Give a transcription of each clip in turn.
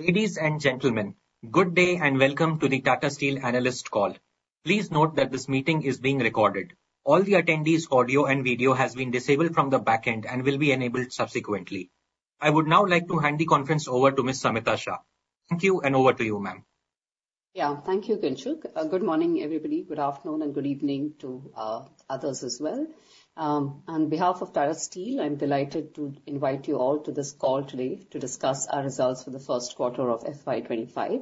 Ladies and gentlemen, good day and welcome to the Tata Steel analyst call. Please note that this meeting is being recorded. All the attendees' audio and video has been disabled from the back end and will be enabled subsequently. I would now like to hand the conference over to Ms. Samita Shah. Thank you, and over to you, ma'am. Yeah. Thank you, Kinshuk. Good morning, everybody. Good afternoon and good evening to others as well. On behalf of Tata Steel, I'm delighted to invite you all to this call today to discuss our results for the first quarter of FY 2025.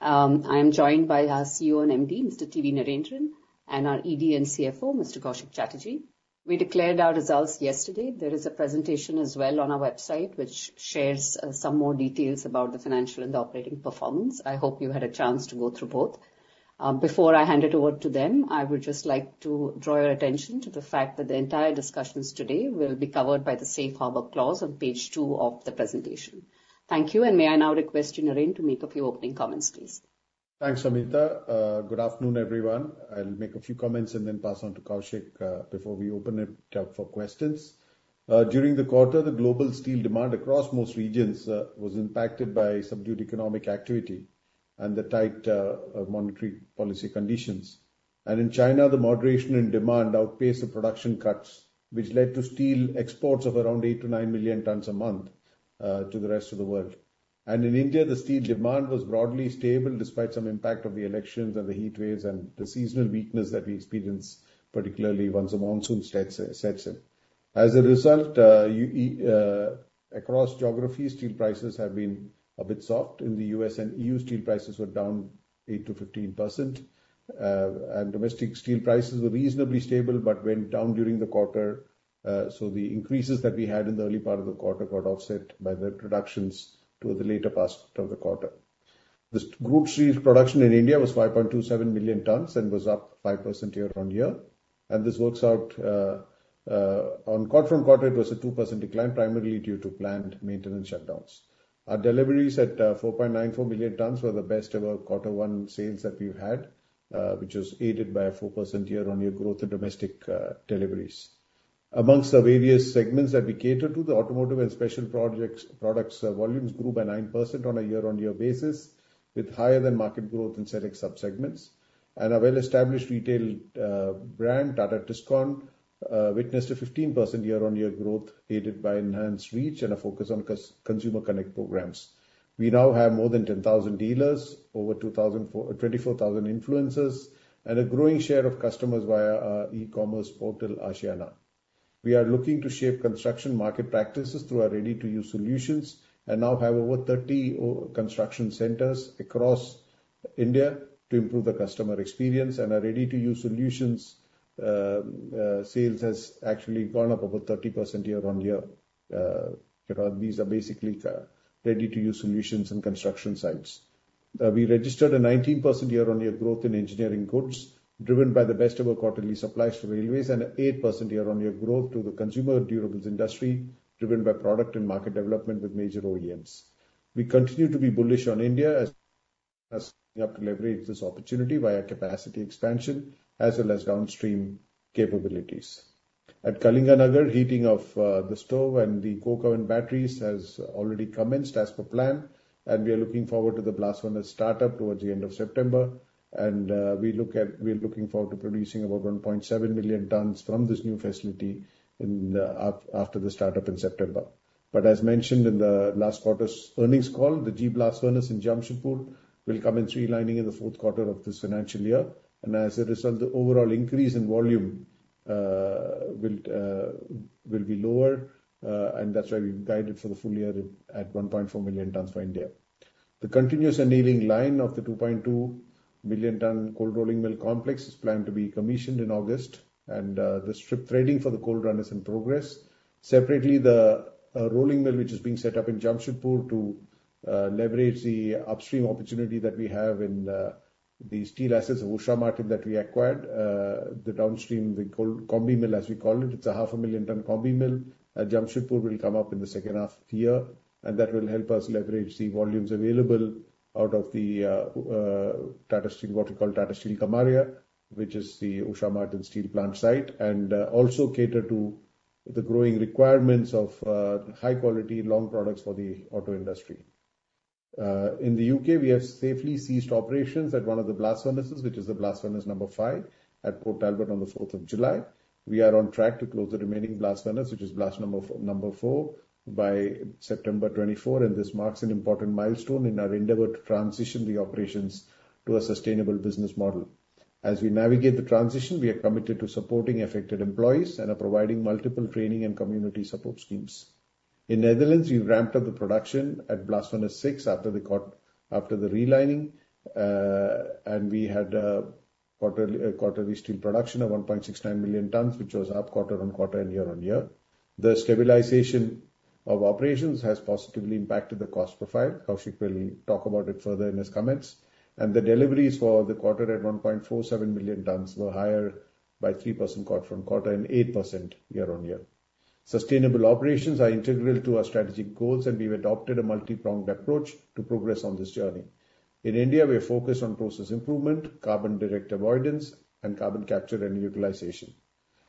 I am joined by our CEO and MD, Mr. T.V. Narendran, and our ED and CFO, Mr. Koushik Chatterjee. We declared our results yesterday. There is a presentation as well on our website, which shares some more details about the financial and the operating performance. I hope you had a chance to go through both. Before I hand it over to them, I would just like to draw your attention to the fact that the entire discussions today will be covered by the safe harbor clause on page two of the presentation. Thank you, and may I now request you, Naren, to make a few opening comments, please. Thanks, Samita. Good afternoon, everyone. I'll make a few comments and then pass on to Koushik before we open it up for questions. During the quarter, the global steel demand across most regions was impacted by subdued economic activity and the tight monetary policy conditions. In China, the moderation and demand outpaced the production cuts, which led to steel exports of around 8-9 million tons a month to the rest of the world. In India, the steel demand was broadly stable, despite some impact of the elections and the heatwaves and the seasonal weakness that we experience, particularly once the monsoon sets in. As a result, across geographies, steel prices have been a bit soft. In the U.S. and E.U., steel prices were down 8%-15%. Domestic steel prices were reasonably stable, but went down during the quarter. So the increases that we had in the early part of the quarter got offset by the reductions towards the later part of the quarter. The group steel production in India was 5.27 million tons and was up 5% year-on-year. This works out, on quarter-on-quarter, it was a 2% decline, primarily due to planned maintenance shutdowns. Our deliveries at 4.94 million tons were the best ever quarter one sales that we've had, which was aided by a 4% year-on-year growth in domestic deliveries. Among the various segments that we cater to, the automotive and special projects products volumes grew by 9% on a year-on-year basis, with higher-than-market growth in select subsegments. Our well-established retail brand, Tata Tiscon, witnessed a 15% year-on-year growth, aided by enhanced reach and a focus on consumer connect programs. We now have more than 10,000 dealers, over 24,000 influencers, and a growing share of customers via our e-commerce portal, Aashiyana. We are looking to shape construction market practices through our ready-to-use solutions and now have over 30 construction centres across India to improve the customer experience and our ready-to-use solutions. Sales has actually gone up about 30% year-on-year. These are basically ready-to-use solutions in construction sites. We registered a 19% year-on-year growth in engineering goods, driven by the best of our quarterly supplies to railways, and an 8% year-on-year growth to the consumer durables industry, driven by product and market development with major OEMs. We continue to be bullish on India as we have to leverage this opportunity via capacity expansion as well as downstream capabilities. At Kalinganagar, heating of the stove and the coke oven batteries has already commenced as per plan, and we are looking forward to the blast furnace startup towards the end of September. We are looking forward to producing about 1.7 million tons from this new facility after the startup in September. But as mentioned in the last quarter's earnings call, the G Blast Furnace in Jamshedpur will come in relining in the fourth quarter of this financial year. And as a result, the overall increase in volume will be lower, and that's why we've guided for the full year at 1.4 million tons for India. The Continuous Annealing Line of the 2.2 million ton Cold Rolling Mill complex is planned to be commissioned in August, and the strip threading for the cold run is in progress. Separately, the rolling mill, which is being set up in Jamshedpur to leverage the upstream opportunity that we have in the steel assets of Usha Martin that we acquired. The downstream, the cold Combi Mill, as we call it, it's a 0.5 million ton Combi Mill at Jamshedpur, will come up in the second half of the year, and that will help us leverage the volumes available out of the Tata Steel, what we call Tata Steel Gamharia, which is the Usha Martin steel plant site, and also cater to the growing requirements of high quality long products for the auto industry. In the U.K., we have safely ceased operations at one of the blast furnaces, which is the blast furnace number five at Port Talbot on the 4th of July. We are on track to close the remaining blast furnace, which is blast number four, by September 2024, and this marks an important milestone in our endeavor to transition the operations to a sustainable business model. As we navigate the transition, we are committed to supporting affected employees and are providing multiple training and community support schemes. In Netherlands, we've ramped up the production at Blast Furnace 6 after the relining. And we had quarterly steel production of 1.69 million tons, which was up quarter-on-quarter and year-on-year. The stabilization of operations has positively impacted the cost profile. Koushik will talk about it further in his comments. The deliveries for the quarter, at 1.47 million tons, were higher by 3% quarter-over-quarter and 8% year-on-year. Sustainable operations are integral to our strategic goals, and we've adopted a multi-pronged approach to progress on this journey. In India, we are focused on process improvement, carbon direct avoidance, and carbon capture and utilization...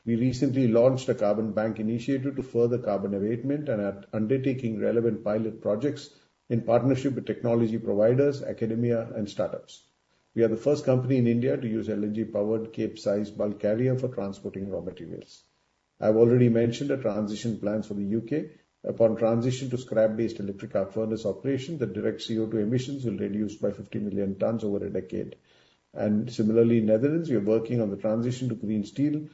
We recently launched a carbon bank initiative to further carbon abatement and are undertaking relevant pilot projects in partnership with technology providers, academia, and startups. We are the first company in India to use LNG-powered Capesize bulk carrier for transporting raw materials. I've already mentioned the transition plans for the U.K. Upon transition to scrap-based electric arc furnace operation, the direct CO2 emissions will reduce by 50 million tons over a decade. Similarly, Netherlands, we are working on the transition to green steel,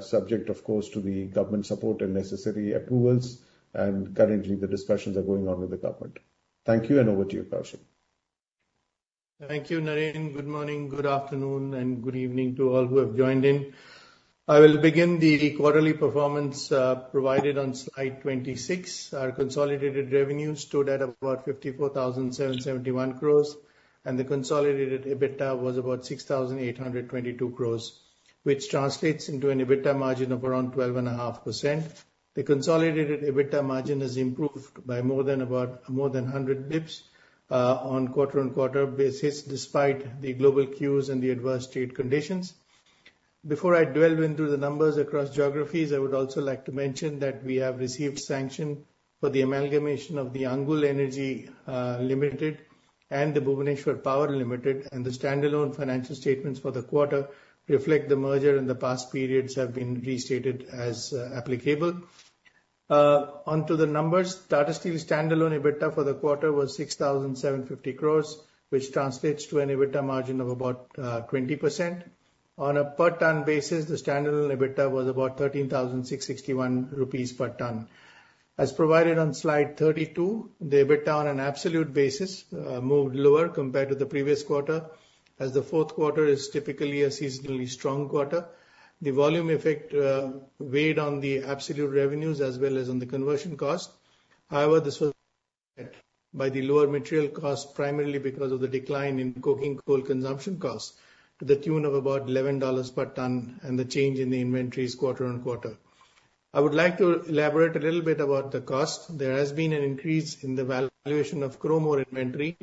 subject, of course, to the government support and necessary approvals, and currently, the discussions are going on with the government. Thank you, and over to you, Koushik. Thank you, Naren. Good morning, good afternoon, and good evening to all who have joined in. I will begin the quarterly performance provided on slide 26. Our consolidated revenue stood at about 54,771 crore, and the consolidated EBITDA was about 6,822 crore, which translates into an EBITDA margin of around 12.5%. The consolidated EBITDA margin has improved by more than about, more than 100 basis points, on quarter-on-quarter basis, despite the global cues and the adverse trade conditions. Before I delve into the numbers across geographies, I would also like to mention that we have received sanction for the amalgamation of the Angul Energy Limited and the Bhubaneswar Power Limited, and the standalone financial statements for the quarter reflect the merger, and the past periods have been restated as applicable. Onto the numbers, Tata Steel standalone EBITDA for the quarter was 6,750 crore, which translates to an EBITDA margin of about 20%. On a per ton basis, the standalone EBITDA was about 13,661 rupees per ton. As provided on slide 32, the EBITDA on an absolute basis moved lower compared to the previous quarter, as the fourth quarter is typically a seasonally strong quarter. The volume effect weighed on the absolute revenues as well as on the conversion cost. However, this was by the lower material cost, primarily because of the decline in coking coal consumption costs, to the tune of about $11 per ton, and the change in the inventories quarter-over-quarter. I would like to elaborate a little bit about the cost. There has been an increase in the valuation of chrome ore inventory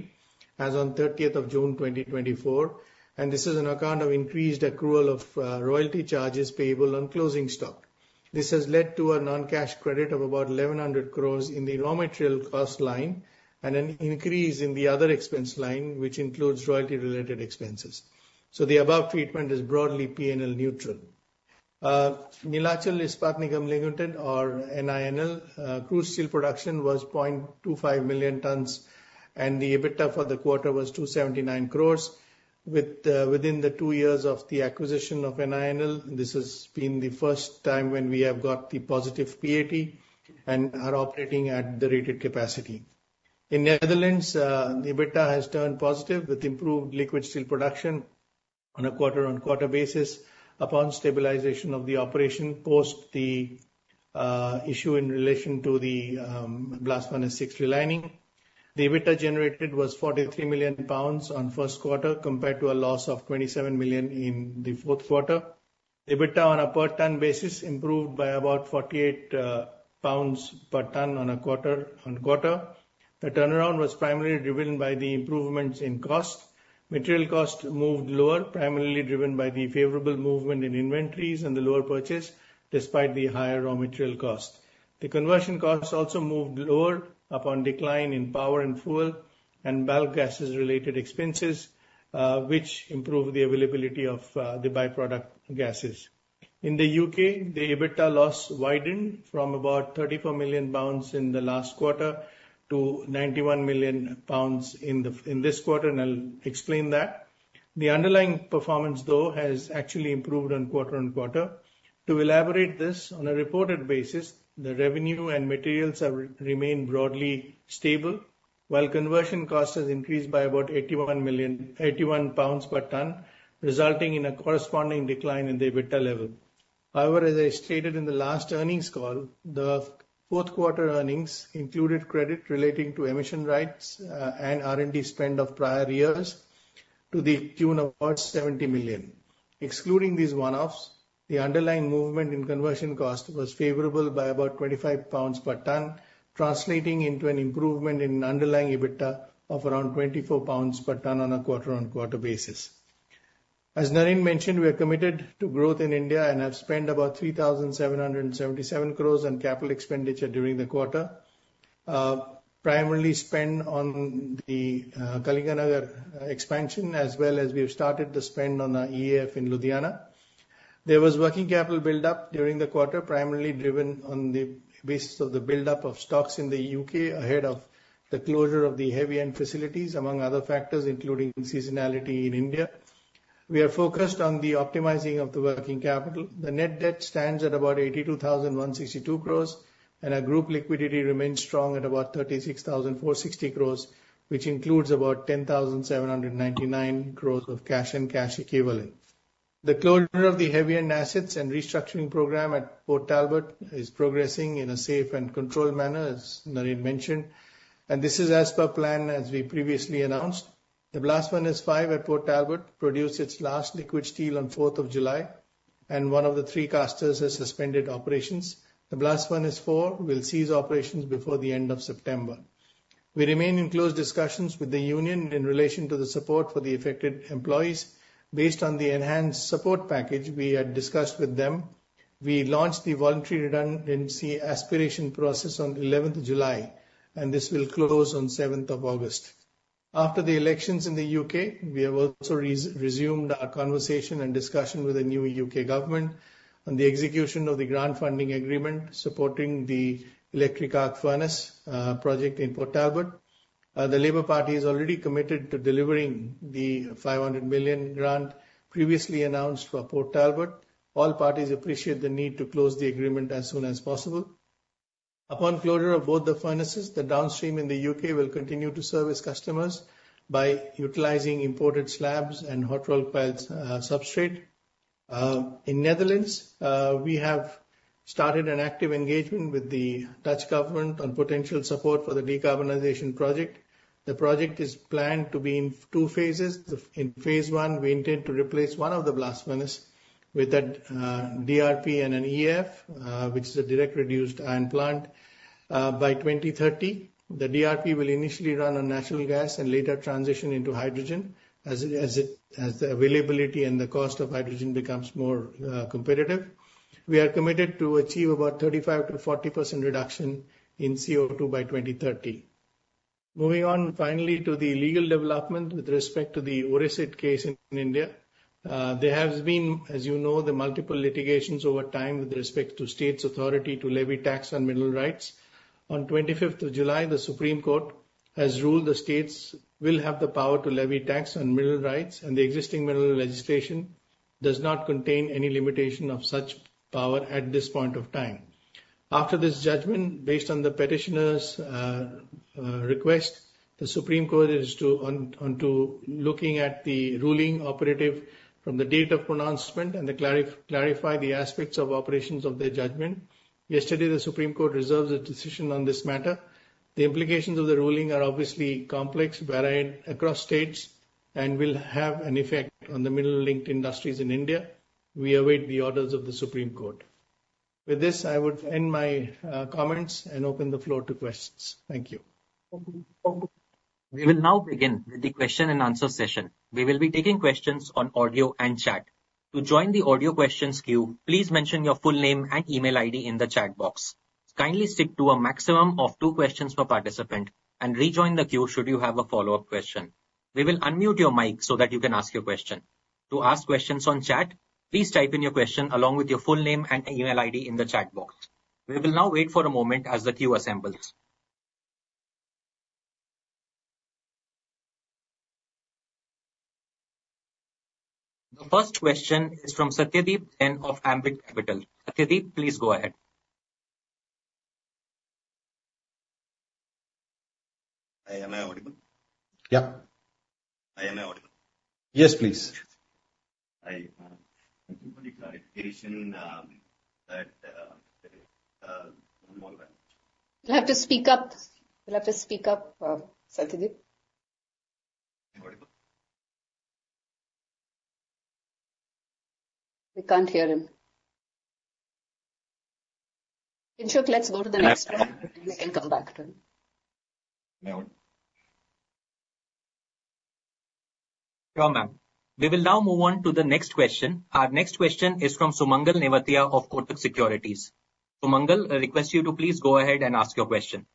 as on 30th of June, 2024, and this is on account of increased accrual of royalty charges payable on closing stock. This has led to a non-cash credit of about 1,100 crore in the raw material cost line and an increase in the other expense line, which includes royalty-related expenses. So the above treatment is broadly P&L neutral. Neelachal Ispat Nigam Limited, or NINL, crude steel production was 0.25 million tons, and the EBITDA for the quarter was 279 crore. Within the two years of the acquisition of NINL, this has been the first time when we have got the positive PAT and are operating at the rated capacity. In the Netherlands, the EBITDA has turned positive, with improved liquid steel production on a quarter-on-quarter basis upon stabilization of the operation, post the, issue in relation to the, Blast Furnace 6 relining. The EBITDA generated was 43 million pounds on first quarter, compared to a loss of 27 million in the fourth quarter. EBITDA on a per ton basis improved by about 48, pounds per ton on a quarter-on-quarter. The turnaround was primarily driven by the improvements in cost. Material cost moved lower, primarily driven by the favorable movement in inventories and the lower purchase, despite the higher raw material cost. The conversion costs also moved lower upon decline in power and fuel and bulk gases related expenses, which improved the availability of, the by-product gases. In the U.K., the EBITDA loss widened from about 34 million pounds in the last quarter to 91 million pounds in this quarter, and I'll explain that. The underlying performance, though, has actually improved on quarter-on-quarter. To elaborate this, on a reported basis, the revenue and materials have remained broadly stable, while conversion cost has increased by about 81 million, 81 pounds per ton, resulting in a corresponding decline in the EBITDA level. However, as I stated in the last earnings call, the fourth quarter earnings included credit relating to emission rights and R&D spend of prior years, to the tune of about 70 million. Excluding these one-offs, the underlying movement in conversion cost was favorable by about 25 pounds per ton, translating into an improvement in underlying EBITDA of around 24 pounds per ton on a quarter-on-quarter basis. As Naren mentioned, we are committed to growth in India and have spent about 3,777 crore on capital expenditure during the quarter. Primarily spent on the Kalinganagar expansion, as well as we have started the spend on our EAF in Ludhiana. There was working capital buildup during the quarter, primarily driven on the basis of the buildup of stocks in the U.K. ahead of the closure of the heavy end facilities, among other factors, including seasonality in India. We are focused on the optimizing of the working capital. The net debt stands at about 82,162 crore, and our group liquidity remains strong at about 36,460 crore, which includes about 10,799 crore of cash and cash equivalents. The closure of the heavy end assets and restructuring program at Port Talbot is progressing in a safe and controlled manner, as Naren mentioned, and this is as per plan, as we previously announced. The Blast Furnace five at Port Talbot produced its last liquid steel on 4th of July, and one of the three casters has suspended operations. The Blast Furnace four will cease operations before the end of September. We remain in close discussions with the union in relation to the support for the affected employees. Based on the enhanced support package we had discussed with them, we launched the voluntary redundancy aspiration process on 11th of July, and this will close on 7th of August. After the elections in the U.K., we have also resumed our conversation and discussion with the new U.K. government on the execution of the grant funding agreement supporting the electric arc furnace project in Port Talbot. The Labour Party is already committed to delivering the 500 million grant previously announced for Port Talbot. All parties appreciate the need to close the agreement as soon as possible. Upon closure of both the furnaces, the downstream in the U.K. will continue to service customers by utilizing imported slabs and hot-rolled coil substrate. In the Netherlands, we have started an active engagement with the Dutch government on potential support for the decarbonization project. The project is planned to be in two phases. In phase one, we intend to replace one of the blast furnace with a DRI and an EAF, which is a direct reduced iron plant, by 2030. The DRI will initially run on natural gas and later transition into hydrogen as the availability and the cost of hydrogen becomes more competitive. We are committed to achieve about 35%-40% reduction in CO2 by 2030. Moving on finally to the legal development with respect to the Odisha case in India. There has been, as you know, the multiple litigations over time with respect to state's authority to levy tax on mineral rights. On the 25th of July, the Supreme Court has ruled the states will have the power to levy tax on mineral rights, and the existing mineral legislation does not contain any limitation of such power at this point of time. After this judgment, based on the petitioner's request, the Supreme Court is looking at the ruling operative from the date of pronouncement and to clarify the aspects of operations of the judgment. Yesterday, the Supreme Court reserved a decision on this matter. The implications of the ruling are obviously complex, varied across states, and will have an effect on the mineral-linked industries in India. We await the orders of the Supreme Court. With this, I would end my comments and open the floor to questions. Thank you. We will now begin with the question and answer session. We will be taking questions on audio and chat. To join the audio questions queue, please mention your full name and email ID in the chat box. Kindly stick to a maximum of two questions per participant and rejoin the queue, should you have a follow-up question. We will unmute your mic so that you can ask your question. To ask questions on chat, please type in your question along with your full name and email ID in the chat box. We will now wait for a moment as the queue assembles. The first question is from Satyadeep Jain of Ambit Capital. Satyadeep, please go ahead. Hi, am I audible? Yeah. Am I audible? Yes, please. I thank you for the clarification, that more than- You'll have to speak up. You'll have to speak up, Satyadeep. Audible. We can't hear him. Kinshuk, let's go to the next one, and we can come back to him. No. Sure, ma'am. We will now move on to the next question. Our next question is from Sumangal Nevatia of Kotak Securities. Sumangal, I request you to please go ahead and ask your question.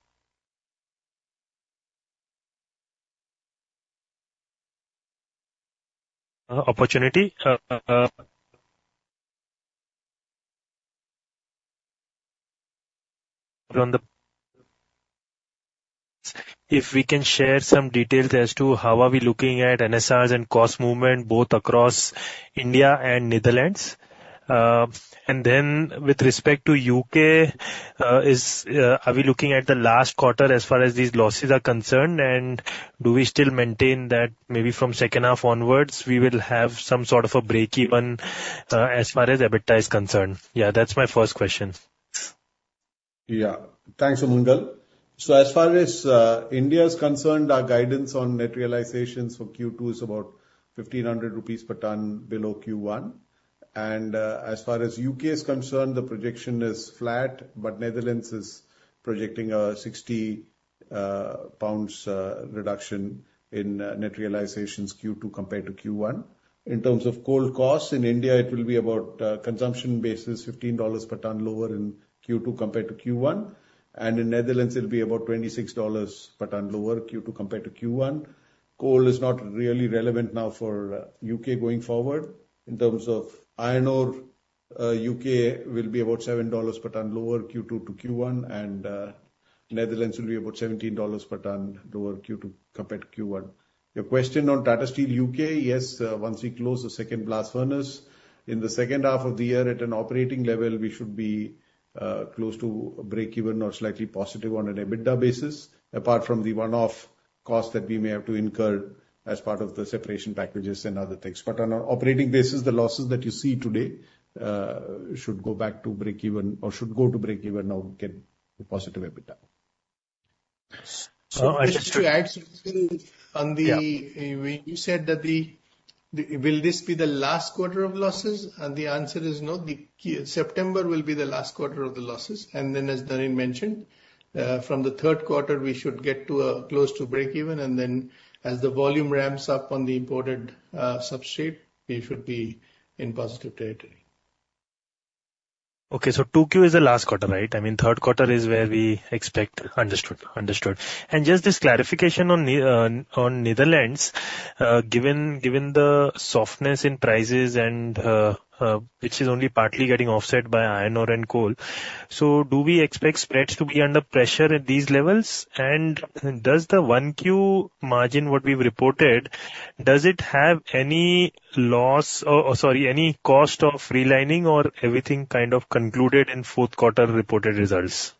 If we can share some details as to how are we looking at NSRs and cost movement both across India and Netherlands. And then with respect to U.K., is, are we looking at the last quarter as far as these losses are concerned? And do we still maintain that maybe from second half onwards, we will have some sort of a break even, as far as EBITDA is concerned? Yeah, that's my first question. Yeah. Thanks, Sumangal. So as far as India is concerned, our guidance on net realizations for Q2 is about 1,500 rupees per ton below Q1. And as far as U.K. is concerned, the projection is flat, but Netherlands is projecting a 60 pounds reduction in net realizations Q2 compared to Q1. In terms of coal costs, in India, it will be about consumption basis, $15 per ton lower in Q2 compared to Q1, and in Netherlands, it'll be about $26 per ton lower, Q2 compared to Q1. Coal is not really relevant now for U.K. going forward. In terms of iron ore, U.K. will be about $7 per ton lower, Q2 to Q1, and Netherlands will be about $17 per ton lower, Q2 compared to Q1. Your question on Tata Steel U.K., yes, once we close the second blast furnace, in the second half of the year, at an operating level, we should be, close to a break even or slightly positive on an EBITDA basis, apart from the one-off costs that we may have to incur as part of the separation packages and other things. But on an operating basis, the losses that you see today, should go back to break even or should go to break even or get a positive EBITDA. So I just- To add on the- Yeah. when you said that will this be the last quarter of losses? The answer is no. The key, September will be the last quarter of the losses, and then, as Naren mentioned, from the third quarter, we should get to close to breakeven, and then as the volume ramps up on the imported substrate, we should be in positive territory. Okay, so 2Q is the last quarter, right? I mean, third quarter is where we expect. Understood. Understood. And just this clarification on Netherlands, given the softness in prices and, which is only partly getting offset by iron ore and coal. So do we expect spreads to be under pressure at these levels? And does the 1Q margin, what we've reported, does it have any loss or, sorry, any cost of relining or everything kind of concluded in fourth quarter reported results?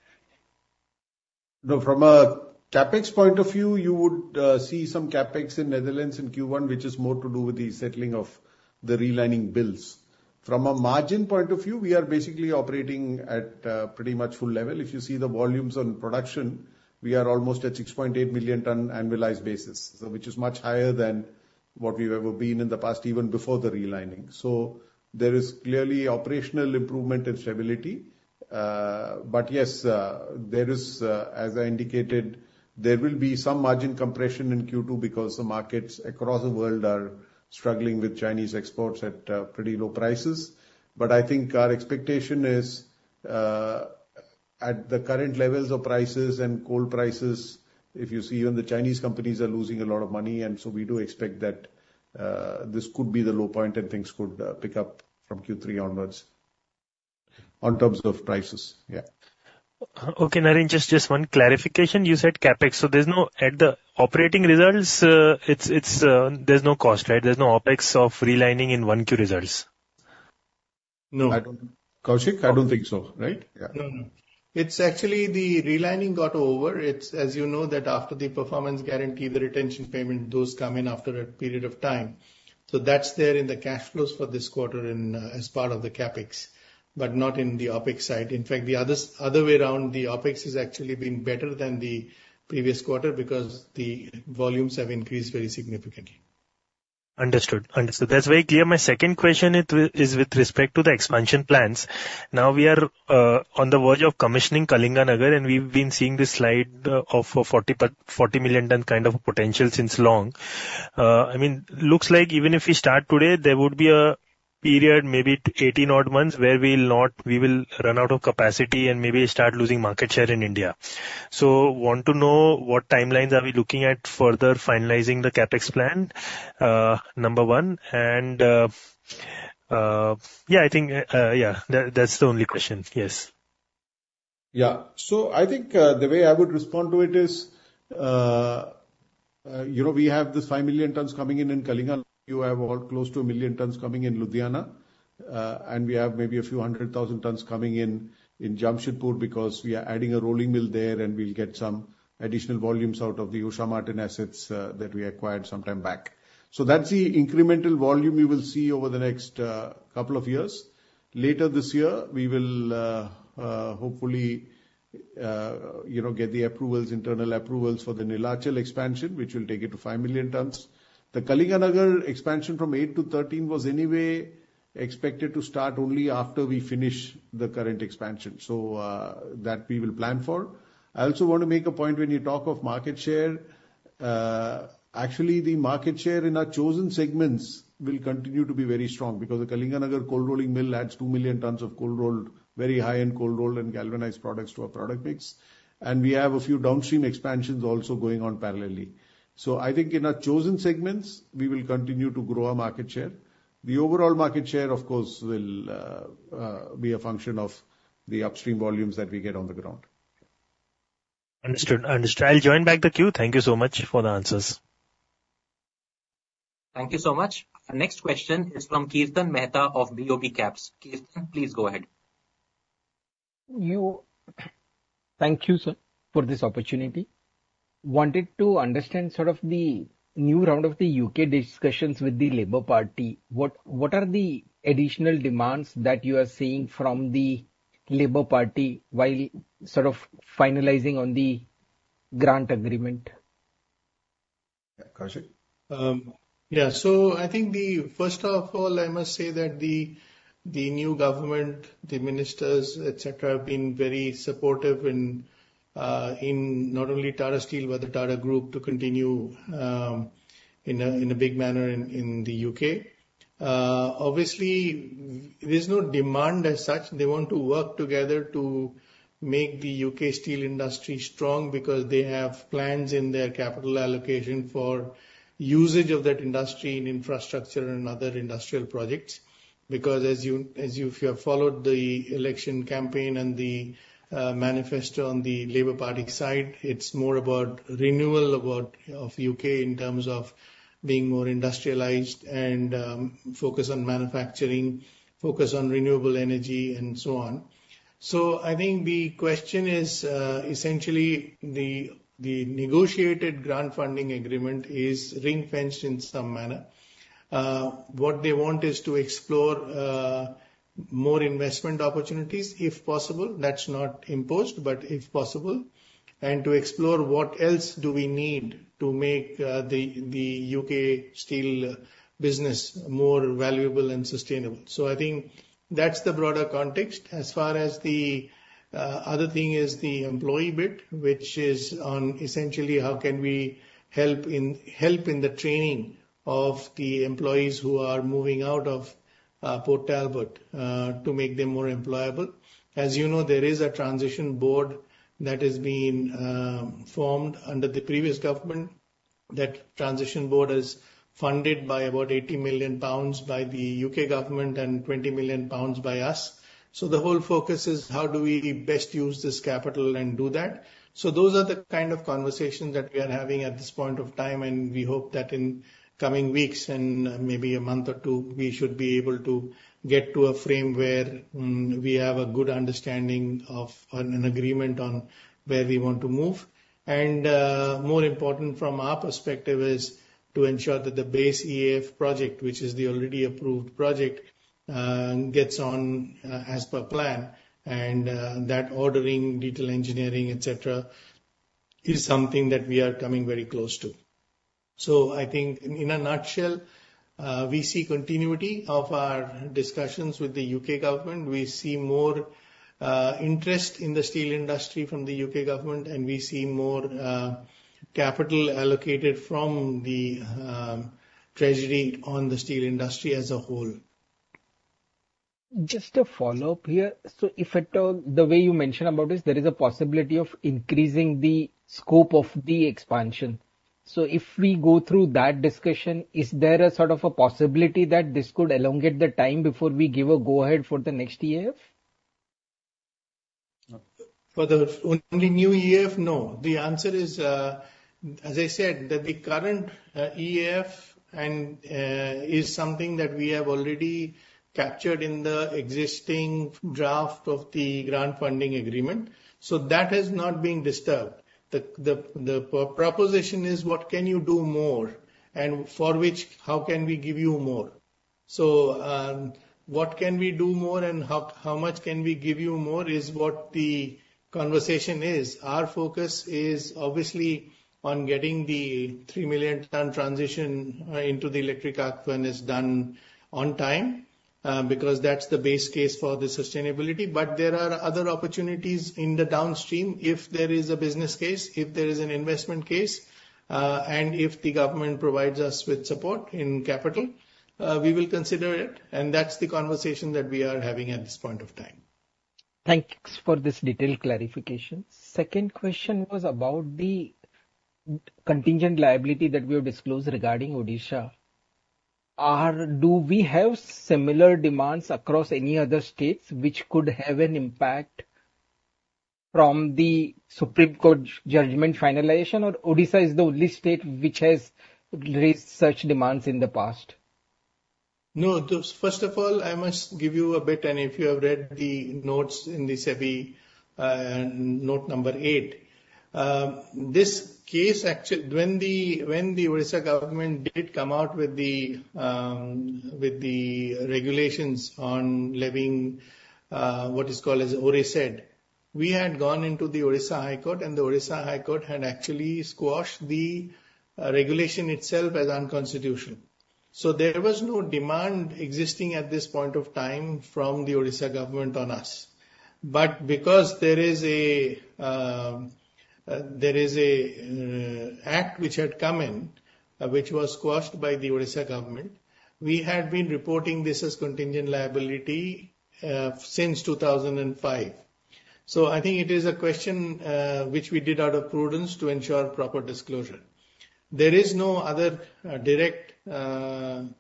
No, from a CapEx point of view, you would, see some CapEx in Netherlands in Q1, which is more to do with the settling of the relining bills. From a margin point of view, we are basically operating at, pretty much full level. If you see the volumes on production, we are almost at 6.8 million ton annualized basis, so which is much higher than what we've ever been in the past, even before the relining. So there is clearly operational improvement and stability. But yes, there is, as I indicated, there will be some margin compression in Q2 because the markets across the world are struggling with Chinese exports at, pretty low prices. But I think our expectation is, at the current levels of prices and coal prices, if you see even the Chinese companies are losing a lot of money, and so we do expect that, this could be the low point, and things could pick up from Q3 onwards, on terms of prices. Yeah. Okay, Naren, just, just one clarification. You said CapEx, so there's no... At the operating results, it's, it's, there's no cost, right? There's no OpEx of relining in 1Q results. No. I don't... Koushik, I don't think so, right? Yeah. No, no. It's actually the relining got over. It's, as you know, that after the performance guarantee, the retention payment, those come in after a period of time. So that's there in the cash flows for this quarter and, as part of the CapEx, but not in the OpEx side. In fact, the other way around, the OpEx has actually been better than the previous quarter because the volumes have increased very significantly. Understood. Understood. That's very clear. My second question is with, is with respect to the expansion plans. Now, we are on the verge of commissioning Kalinganagar, and we've been seeing this slide of 40 million ton kind of potential since long. I mean, looks like even if we start today, there would be a period, maybe 18-odd months, where we will run out of capacity and maybe start losing market share in India. So want to know what timelines are we looking at further finalizing the CapEx plan, number one, and, yeah, I think, yeah, that's the only question. Yes. Yeah. So I think, the way I would respond to it is, you know, we have this 5 million tons coming in in Kalinganagar. You have all close to 1 million tons coming in Ludhiana. And we have maybe a few hundred thousand tons coming in in Jamshedpur because we are adding a rolling mill there, and we'll get some additional volumes out of the Usha Martin assets, that we acquired some time back. So that's the incremental volume you will see over the next couple of years. Later this year, we will hopefully, you know, get the approvals, internal approvals for the Neelachal expansion, which will take it to 5 million tons. The Kalinganagar expansion from eight to 13 was anyway expected to start only after we finish the current expansion. So, that we will plan for. I also want to make a point when you talk of market share. Actually, the market share in our chosen segments will continue to be very strong because the Kalinganagar cold rolling mill adds 2 million tons of cold rolled, very high-end cold rolled and galvanized products to our product mix. And we have a few downstream expansions also going on parallelly. So I think in our chosen segments, we will continue to grow our market share. The overall market share, of course, will be a function of the upstream volumes that we get on the ground. Understood. Understood. I'll join back the queue. Thank you so much for the answers. Thank you so much. Our next question is from Kirtan Mehta of BOB Capital Markets. Kirtan, please go ahead. Thank you, sir, for this opportunity. Wanted to understand sort of the new round of the U.K. discussions with the Labour Party. What, what are the additional demands that you are seeing from the Labour Party while sort of finalizing on the grant agreement? Yeah, Koushik? Yeah. So I think, first of all, I must say that the new government, the ministers, et cetera, have been very supportive in not only Tata Steel, but the Tata Group, to continue in a big manner in the U.K. Obviously, there's no demand as such. They want to work together to make the U.K. steel industry strong because they have plans in their capital allocation for usage of that industry in infrastructure and other industrial projects. Because as you if you have followed the election campaign and the manifesto on the Labour Party side, it's more about renewal of U.K. in terms of being more industrialized and focus on manufacturing, focus on renewable energy, and so on. So I think the question is, essentially the, the negotiated grant funding agreement is ring-fenced in some manner. What they want is to explore more investment opportunities, if possible. That's not imposed, but if possible, and to explore what else do we need to make, the, the U.K. steel business more valuable and sustainable. So I think that's the broader context. As far as the, other thing is the employee bit, which is on essentially how can we help in, help in the training of the employees who are moving out of, Port Talbot, to make them more employable. As you know, there is a transition board that has been, formed under the previous government. That transition board is funded by about 80 million pounds by the U.K. government and 20 million pounds by us. So the whole focus is, how do we best use this capital and do that? So those are the kind of conversations that we are having at this point of time, and we hope that in coming weeks, and maybe a month or two, we should be able to get to a frame where we have a good understanding of, on an agreement on where we want to move. And more important from our perspective, is to ensure that the base EAF project, which is the already approved project, gets on as per plan, and that ordering, detail engineering, et cetera, is something that we are coming very close to. So I think in a nutshell, we see continuity of our discussions with the U.K. government. We see more interest in the steel industry from the U.K. government, and we see more capital allocated from the treasury on the steel industry as a whole. Just a follow-up here. So if at all, the way you mentioned about this, there is a possibility of increasing the scope of the expansion. So if we go through that discussion, is there a sort of a possibility that this could elongate the time before we give a go-ahead for the next EAF? For the on the new EAF, no. The answer is, as I said, that the current EAF and is something that we have already captured in the existing draft of the grant funding agreement, so that has not been disturbed. The proposition is what can you do more, and for which, how can we give you more? So, what can we do more and how much can we give you more, is what the conversation is. Our focus is obviously on getting the 3 million-ton transition into the electric arc furnace done on time, because that's the base case for the sustainability. But there are other opportunities in the downstream, if there is a business case, if there is an investment case, and if the government provides us with support in capital, we will consider it, and that's the conversation that we are having at this point of time. Thanks for this detailed clarification. Second question was about the contingent liability that we have disclosed regarding Odisha. Do we have similar demands across any other states which could have an impact from the Supreme Court judgment finalization, or Odisha is the only state which has raised such demands in the past? No. First of all, I must give you a bit, and if you have read the notes in the SEBI, note number eight, this case actually, when the Odisha government did come out with the regulations on levying what is called as ORISED, we had gone into the Odisha High Court, and the Odisha High Court had actually squashed the regulation itself as unconstitutional. So there was no demand existing at this point of time from the Odisha government on us. But because there is a Act which had come in, which was squashed by the Odisha government, we had been reporting this as contingent liability since 2005. So I think it is a question which we did out of prudence to ensure proper disclosure. There is no other direct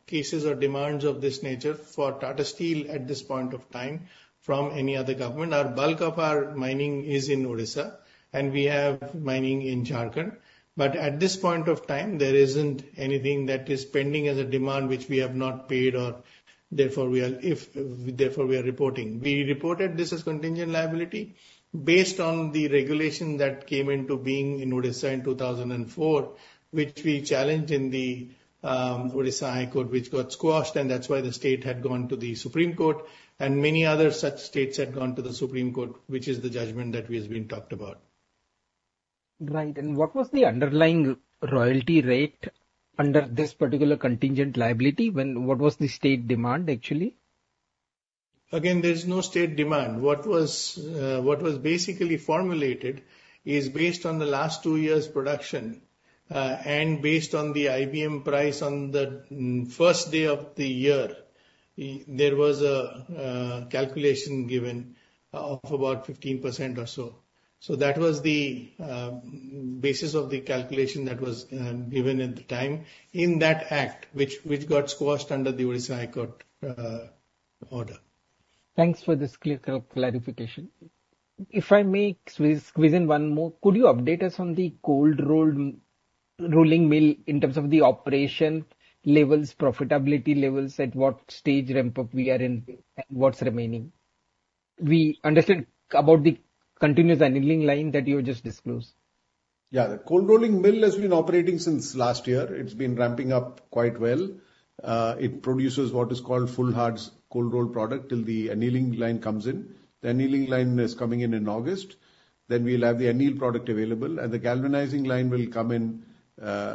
cases or demands of this nature for Tata Steel at this point of time from any other government. Our bulk of our mining is in Odisha, and we have mining in Jharkhand, but at this point of time, there isn't anything that is pending as a demand which we have not paid or therefore we are reporting. We reported this as contingent liability based on the regulation that came into being in Odisha in 2004, which we challenged in the Odisha High Court, which got squashed, and that's why the state had gone to the Supreme Court, and many other such states had gone to the Supreme Court, which is the judgment that we has been talked about. Right. And what was the underlying royalty rate under this particular contingent liability? When, what was the state demand, actually? Again, there is no state demand. What was basically formulated is based on the last two years' production, and based on the IBM price on the first day of the year, there was a calculation given of about 15% or so. So that was the basis of the calculation that was given at the time in that act, which got squashed under the Odisha High Court order. Thanks for this clear clarification. If I may squeeze in one more, could you update us on the cold-rolled rolling mill in terms of the operation levels, profitability levels, at what stage ramp up we are in, and what's remaining?... We understood about the continuous annealing line that you just disclosed? Yeah, the cold rolling mill has been operating since last year. It's been ramping up quite well. It produces what is called full hard cold rolled product till the annealing line comes in. The annealing line is coming in in August, then we'll have the anneal product available, and the galvanizing line will come in,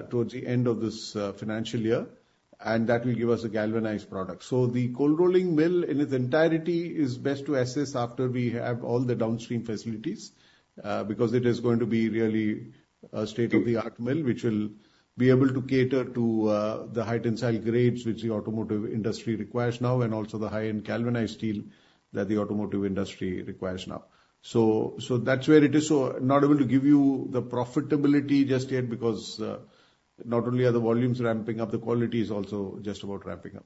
towards the end of this, financial year, and that will give us a galvanized product. So the cold rolling mill in its entirety is best to assess after we have all the downstream facilities, because it is going to be really a state-of-the-art mill, which will be able to cater to, the high tensile grades which the automotive industry requires now, and also the high-end galvanized steel that the automotive industry requires now. So, so that's where it is. So not able to give you the profitability just yet, because, not only are the volumes ramping up, the quality is also just about ramping up.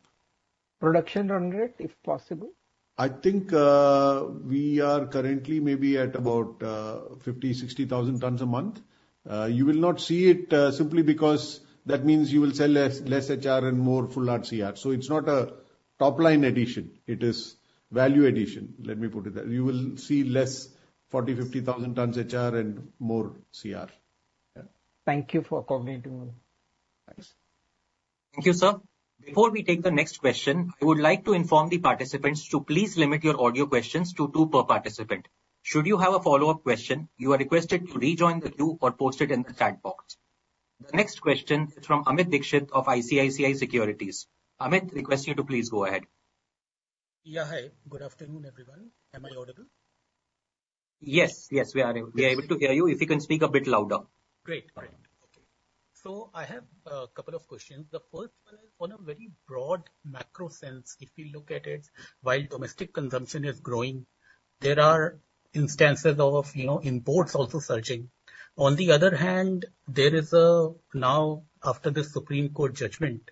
Production run rate, if possible? I think, we are currently maybe at about 50,000-60,000 tons a month. You will not see it, simply because that means you will sell less, less HR and more full hard CR. So it's not a top-line addition. It is value addition. Let me put it that... You will see less 40,000-50,000 tons HR and more CR. Yeah. Thank you for accommodating me. Thanks. Thank you, sir. Before we take the next question, I would like to inform the participants to please limit your audio questions to two per participant. Should you have a follow-up question, you are requested to rejoin the queue or post it in the chat box. The next question is from Amit Dixit of ICICI Securities. Amit, I request you to please go ahead. Yeah, hi. Good afternoon, everyone. Am I audible? Yes, yes, we are, we are able to hear you. If you can speak a bit louder. Great. All right. Okay. So I have a couple of questions. The first one, on a very broad macro sense, if we look at it, while domestic consumption is growing, there are instances of, you know, imports also surging. On the other hand, there is now, after the Supreme Court judgment,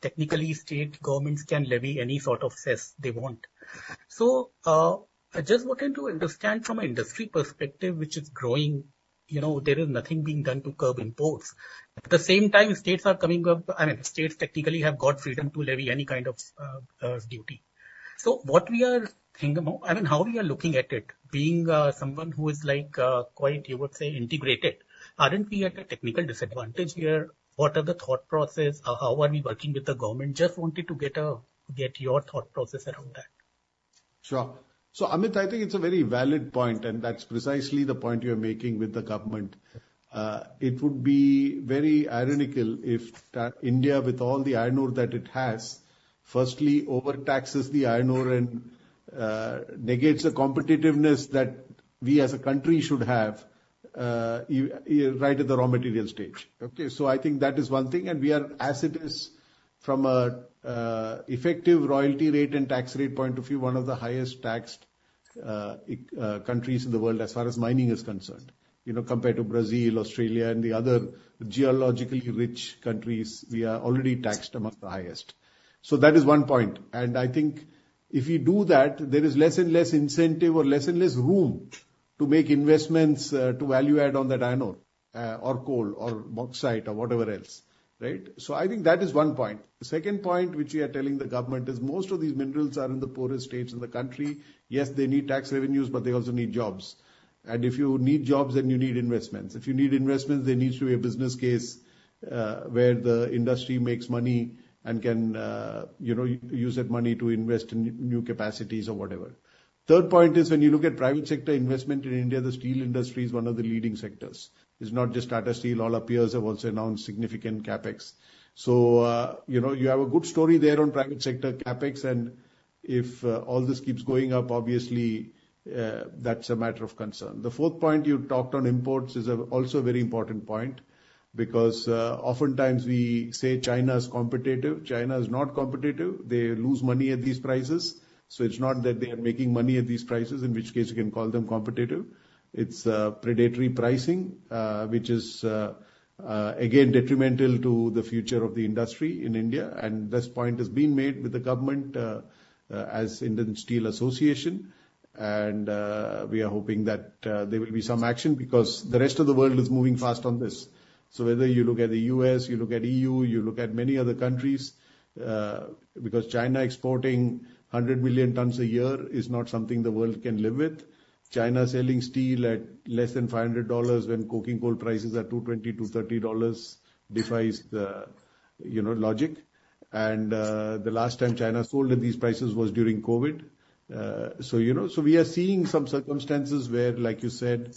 technically state governments can levy any sort of cess they want. So, I just wanted to understand from an industry perspective, which is growing, you know, there is nothing being done to curb imports. At the same time, states are coming up, I mean, states technically have got freedom to levy any kind of, duty. So what we are thinking about, I mean, how we are looking at it, being, someone who is like, quite, you would say, integrated, aren't we at a technical disadvantage here? What are the thought process? How are we working with the government? Just wanted to get your thought process around that. Sure. So, Amit, I think it's a very valid point, and that's precisely the point you're making with the government. It would be very ironical if in India, with all the iron ore that it has, firstly, overtaxes the iron ore and negates the competitiveness that we as a country should have right at the raw material stage. Okay, so I think that is one thing, and we are, as it is, from a effective royalty rate and tax rate point of view, one of the highest taxed countries in the world as far as mining is concerned. You know, compared to Brazil, Australia, and the other geologically rich countries, we are already taxed amongst the highest. So that is one point. I think if we do that, there is less and less incentive or less and less room to make investments, to value add on that iron ore, or coal, or bauxite, or whatever else, right? I think that is one point. The second point which we are telling the government is most of these minerals are in the poorest states in the country. Yes, they need tax revenues, but they also need jobs. And if you need jobs, then you need investments. If you need investments, there needs to be a business case, where the industry makes money and can, you know, use that money to invest in new capacities or whatever. Third point is, when you look at private sector investment in India, the steel industry is one of the leading sectors. It's not just Tata Steel, all our peers have also announced significant CapEx. So, you know, you have a good story there on private sector CapEx, and if all this keeps going up, obviously, that's a matter of concern. The fourth point you talked on imports is also a very important point, because oftentimes we say China is competitive. China is not competitive. They lose money at these prices. So it's not that they are making money at these prices, in which case you can call them competitive. It's predatory pricing, which is again detrimental to the future of the industry in India. And this point is being made with the government as Indian Steel Association. And we are hoping that there will be some action because the rest of the world is moving fast on this. So whether you look at the U.S., you look at EU, you look at many other countries, because China exporting 100 million tons a year is not something the world can live with. China selling steel at less than $500 when coking coal prices are $220-$230 defies the, you know, logic. And, the last time China sold at these prices was during COVID. So, you know, so we are seeing some circumstances where, like you said,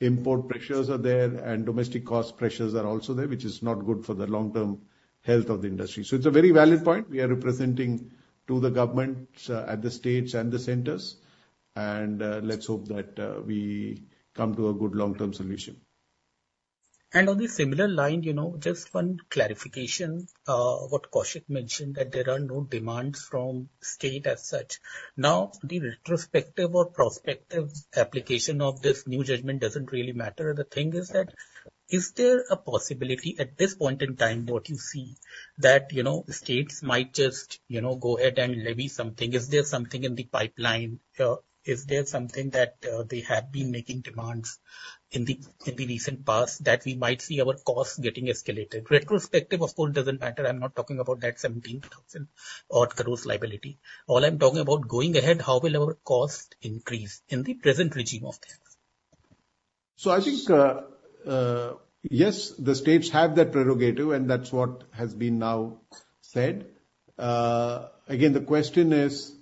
import pressures are there and domestic cost pressures are also there, which is not good for the long-term health of the industry. So it's a very valid point. We are representing to the governments, at the states and the centres, and, let's hope that, we come to a good long-term solution. On the similar line, you know, just one clarification, what Koushik mentioned, that there are no demands from state as such. Now, the retrospective or prospective application of this new judgment doesn't really matter. The thing is that, is there a possibility at this point in time, what you see, that, you know, states might just, you know, go ahead and levy something? Is there something in the pipeline, is there something that, they have been making demands in the, in the recent past that we might see our costs getting escalated? Retrospective, of course, doesn't matter. I'm not talking about that 17,000 crore liability. All I'm talking about going ahead, how will our cost increase in the present regime of things? ...So I think, yes, the states have that prerogative, and that's what has been now said. Again, the question is,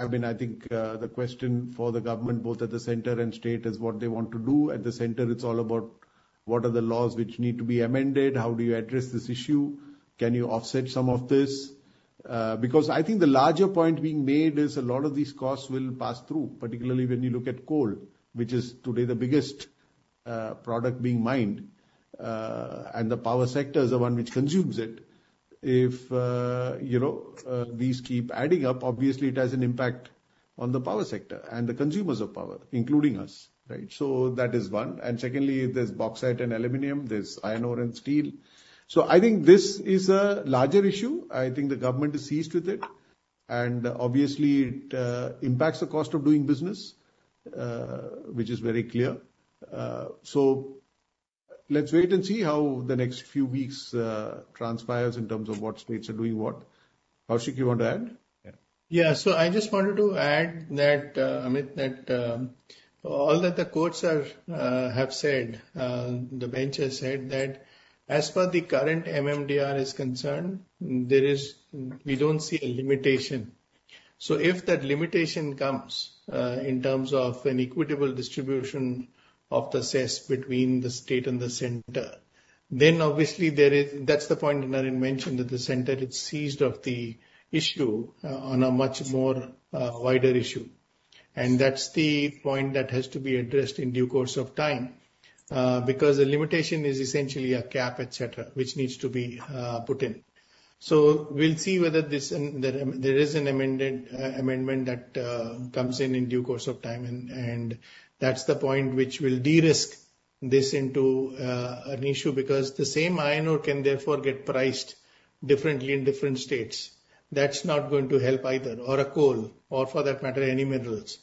I mean, I think, the question for the government, both at the centre and state, is what they want to do. At the centre, it's all about what are the laws which need to be amended? How do you address this issue? Can you offset some of this? Because I think the larger point being made is a lot of these costs will pass through, particularly when you look at coal, which is today the biggest product being mined, and the power sector is the one which consumes it. If, you know, these keep adding up, obviously it has an impact on the power sector and the consumers of power, including us, right? So that is one. Secondly, there's bauxite and aluminum, there's iron ore and steel. I think this is a larger issue. I think the government is seized with it, and obviously it impacts the cost of doing business, which is very clear. Let's wait and see how the next few weeks transpires in terms of what states are doing what. Koushik, you want to add? Yeah. Yeah. So I just wanted to add that, Amit, that all that the courts are, have said, the bench has said that as per the current MMDR is concerned, there is... We don't see a limitation. So if that limitation comes, in terms of an equitable distribution of the cess between the state and the centre, then obviously there is- that's the point Naren mentioned, that the centre is seized of the issue on a much more, wider issue. And that's the point that has to be addressed in due course of time, because the limitation is essentially a cap, et cetera, which needs to be, put in. So we'll see whether this, there is an amended, amendment that comes in, in due course of time. And that's the point which will de-risk this into an issue, because the same iron ore can therefore get priced differently in different states. That's not going to help either, or a coal, or for that matter, any minerals,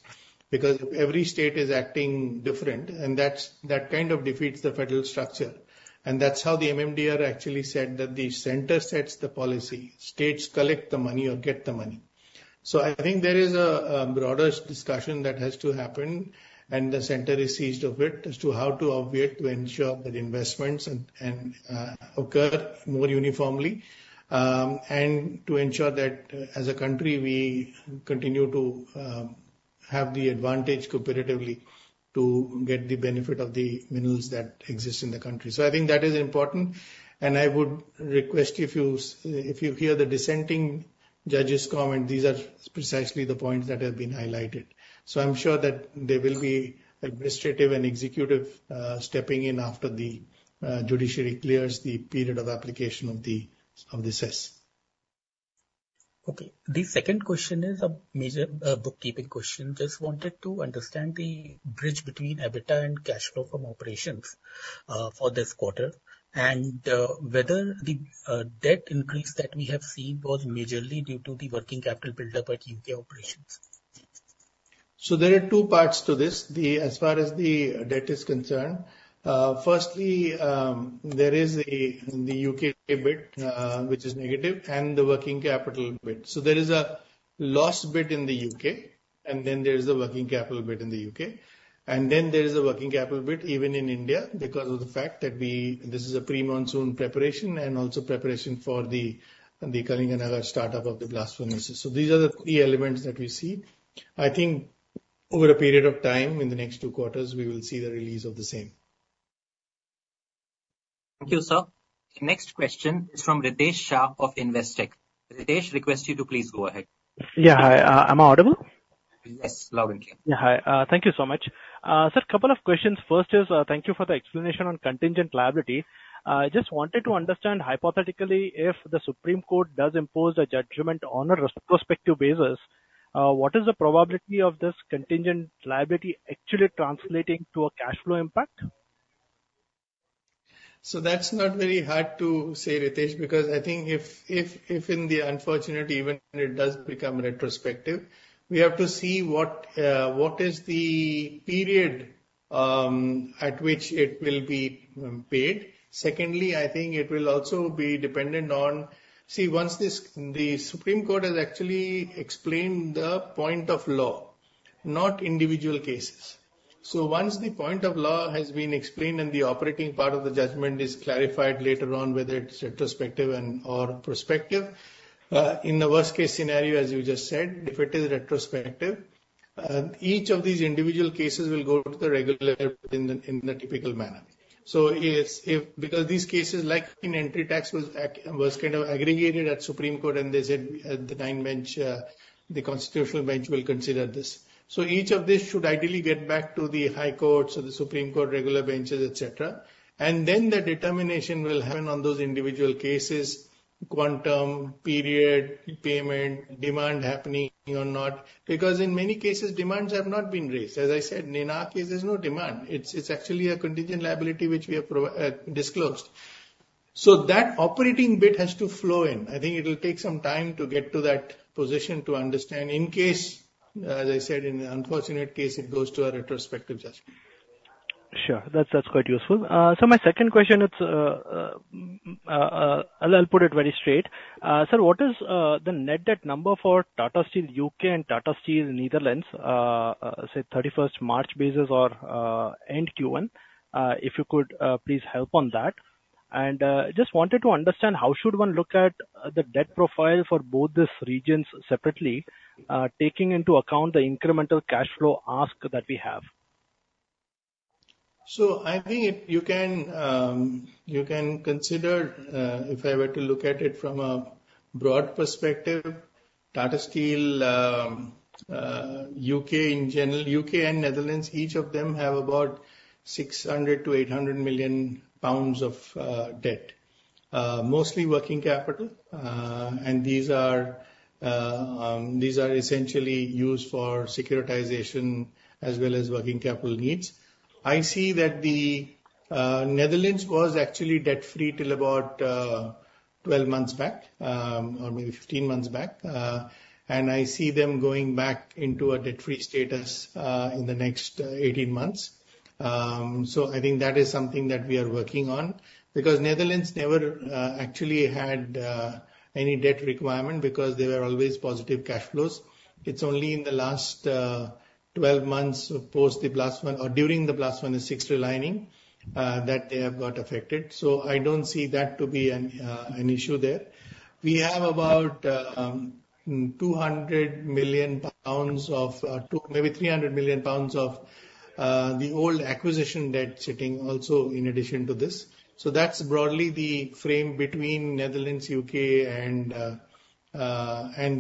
because every state is acting different, and that's that kind of defeats the federal structure. And that's how the MMDR actually said that the centre sets the policy, states collect the money or get the money. So I think there is a broader discussion that has to happen, and the centre is seized of it, as to how to obviate to ensure that investments and occur more uniformly, and to ensure that as a country, we continue to have the advantage comparatively to get the benefit of the minerals that exist in the country. So I think that is important, and I would request if you hear the dissenting judges' comment, these are precisely the points that have been highlighted. So I'm sure that there will be administrative and executive stepping in after the judiciary clears the period of application of the cess. Okay. The second question is a major bookkeeping question. Just wanted to understand the bridge between EBITDA and cash flow from operations for this quarter, and whether the debt increase that we have seen was majorly due to the working capital buildup at U.K. operations. So there are two parts to this. As far as the debt is concerned, firstly, there is the U.K. bit, which is negative, and the working capital bit. So there is a loss bit in the U.K., and then there is a working capital bit in the U.K., and then there is a working capital bit even in India, because of the fact that this is a pre-monsoon preparation and also preparation for the Kalinganagar startup of the blast furnaces. So these are the key elements that we see. I think over a period of time, in the next two quarters, we will see the release of the same. Thank you, sir. The next question is from Ritesh Shah of Investec. Ritesh, request you to please go ahead. Yeah. Hi, am I audible? Yes, loud and clear. Yeah. Hi, thank you so much. Sir, couple of questions. First is, thank you for the explanation on contingent liability. Just wanted to understand, hypothetically, if the Supreme Court does impose a judgment on a retrospective basis, what is the probability of this contingent liability actually translating to a cash flow impact? So that's not very hard to say, Ritesh, because I think if in the unfortunate event it does become retrospective, we have to see what, what is the period at which it will be paid. Secondly, I think it will also be dependent on... See, once this, the Supreme Court has actually explained the point of law, not individual cases. So once the point of law has been explained and the operating part of the judgment is clarified later on, whether it's retrospective and/or prospective, in the worst-case scenario, as you just said, if it is retrospective, each of these individual cases will go to the regular in the, in the typical manner. So if because these cases, like in entry tax, was kind of aggregated at Supreme Court, and they said, the nine bench, the constitutional bench will consider this. So each of this should ideally get back to the high courts or the Supreme Court, regular benches, et cetera. And then the determination will happen on those individual cases, quantum, period, payment, demand happening or not. Because in many cases, demands have not been raised. As I said, in our case, there's no demand. It's actually a contingent liability, which we have properly disclosed. So that operating bit has to flow in. I think it'll take some time to get to that position to understand in case, as I said, in the unfortunate case, it goes to a retrospective judgment. ... Sure. That's, that's quite useful. So my second question is, I'll put it very straight. Sir, what is the net debt number for Tata Steel U.K. and Tata Steel Netherlands, say, 31st March basis or end Q1? If you could please help on that. And just wanted to understand how should one look at the debt profile for both these regions separately, taking into account the incremental cash flow ask that we have? So I think if you can, you can consider, if I were to look at it from a broad perspective, Tata Steel U.K. in general, U.K. and Netherlands, each of them have about 600 million-800 million pounds of debt, mostly working capital. And these are essentially used for securitization as well as working capital needs. I see that the Netherlands was actually debt-free till about 12 months back, or maybe 15 months back. And I see them going back into a debt-free status in the next 18 months. So I think that is something that we are working on. Because Netherlands never actually had any debt requirement because they were always positive cash flows. It's only in the last 12 months post the blast furnace or during the Blast Furnace 6 relining that they have got affected. So I don't see that to be an issue there. We have about 200 million pounds of maybe 300 million pounds of the old acquisition debt sitting also in addition to this. So that's broadly the frame between Netherlands, U.K., and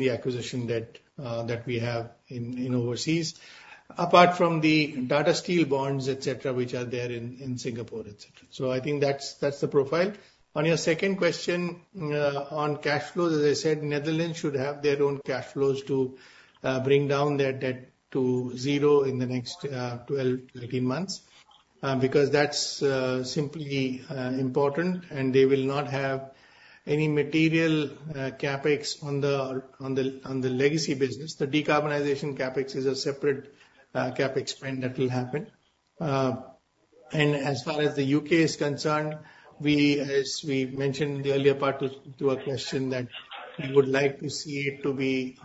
the acquisition debt that we have in overseas, apart from the Tata Steel bonds, et cetera, which are there in Singapore, et cetera. So I think that's the profile. On your second question, on cash flows, as I said, Netherlands should have their own cash flows to bring down their debt to zero in the next 12-18 months, because that's simply important, and they will not have any material CapEx on the legacy business. The decarbonization CapEx is a separate CapEx spend that will happen. And as far as the U.K. is concerned, we, as we mentioned in the earlier part to a question, that we would like to see it to be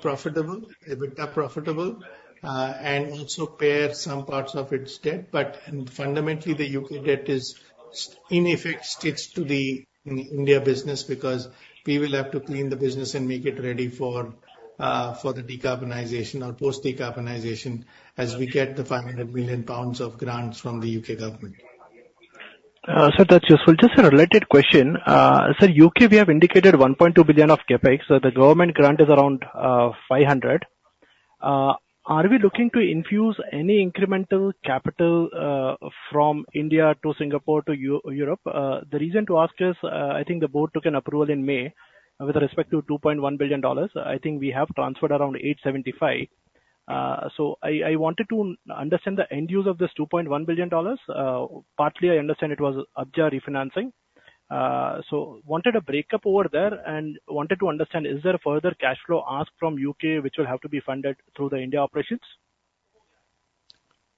profitable, EBITDA profitable, and also repay some parts of its debt. But fundamentally, the U.K. debt is, in effect, sticks to the India business because we will have to clean the business and make it ready for the decarbonization or post-decarbonization as we get 500 million pounds of grants from the U.K. government. Sir, that's useful. Just a related question. Sir, U.K., we have indicated 1.2 billion of CapEx, so the government grant is around 500 million. Are we looking to infuse any incremental capital from India to Singapore to Europe? The reason to ask is, I think the board took an approval in May with respect to $2.1 billion. I think we have transferred around $875 million. So I wanted to understand the end use of this $2.1 billion. Partly, I understand it was Abja refinancing. So wanted a breakup over there and wanted to understand, is there further cash flow ask from U.K., which will have to be funded through the India operations?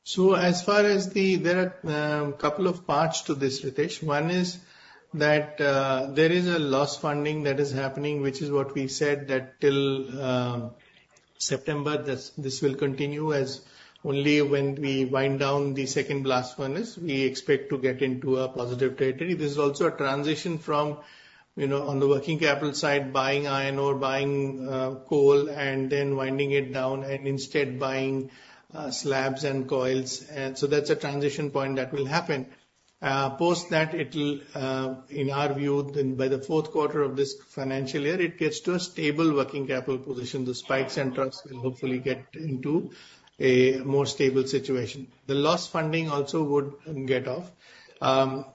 So as far as the... There are a couple of parts to this, Ritesh. One is that there is a loss funding that is happening, which is what we said, that till September, this, this will continue, as only when we wind down the second blast furnace, we expect to get into a positive territory. This is also a transition from, you know, on the working capital side, buying iron ore, buying coal, and then winding it down, and instead buying slabs and coils. And so that's a transition point that will happen. Post that, it'll, in our view, then by the fourth quarter of this financial year, it gets to a stable working capital position. The spikes and troughs will hopefully get into a more stable situation. The loss funding also would get off,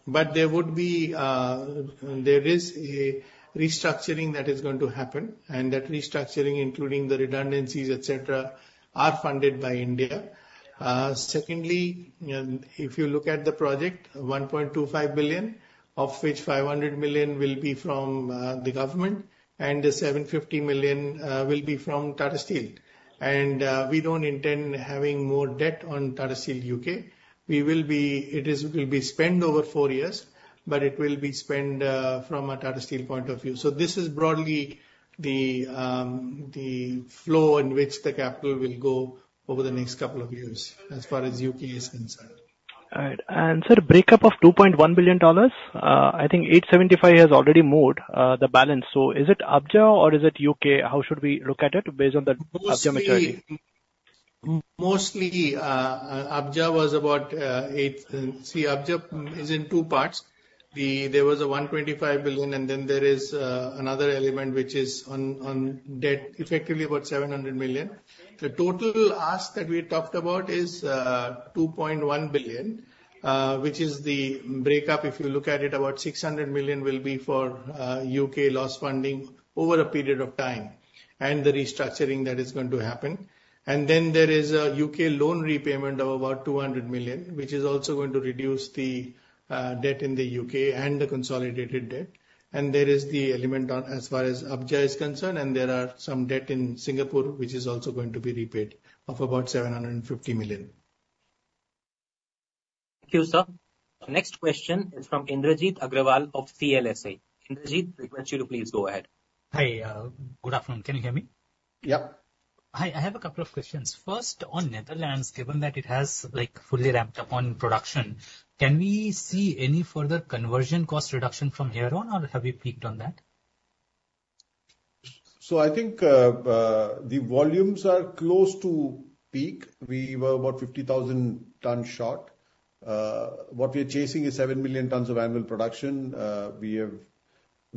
but there would be, there is a restructuring that is going to happen, and that restructuring, including the redundancies, et cetera, are funded by India. Secondly, if you look at the project, 1.25 billion, of which 500 million will be from the government, and 750 million will be from Tata Steel. We don't intend having more debt on Tata Steel U.K. It will be spent over four years, but it will be spent from a Tata Steel point of view. So this is broadly the flow in which the capital will go over the next couple of years, as far as U.K. is concerned. All right. And, sir, breakup of $2.1 billion, I think 875 has already moved, the balance. So is it Abja or is it U.K.? How should we look at it based on the Abja maturity? Mostly, Abja was about. See, Abja is in two parts. There was a $1.25 billion, and then there is another element which is on debt, effectively about $700 million. The total ask that we talked about is $2.1 billion, which is the breakup. If you look at it, about $600 million will be for U.K. loss funding over a period of time, and the restructuring that is going to happen. And then there is a U.K. loan repayment of about $200 million, which is also going to reduce the debt in the U.K. and the consolidated debt. And there is the element on as far as Abja is concerned, and there are some debt in Singapore, which is also going to be repaid, of about $750 million.... Thank you, sir. Next question is from Indrajit Agarwal of CLSA. Indrajit, I request you to please go ahead. Hi, good afternoon. Can you hear me? Yep. Hi, I have a couple of questions. First, on Netherlands, given that it has, like, fully ramped up on production, can we see any further conversion cost reduction from here on, or have we peaked on that? So I think, the volumes are close to peak. We were about 50,000 tons short. What we are chasing is 7 million tons of annual production. We have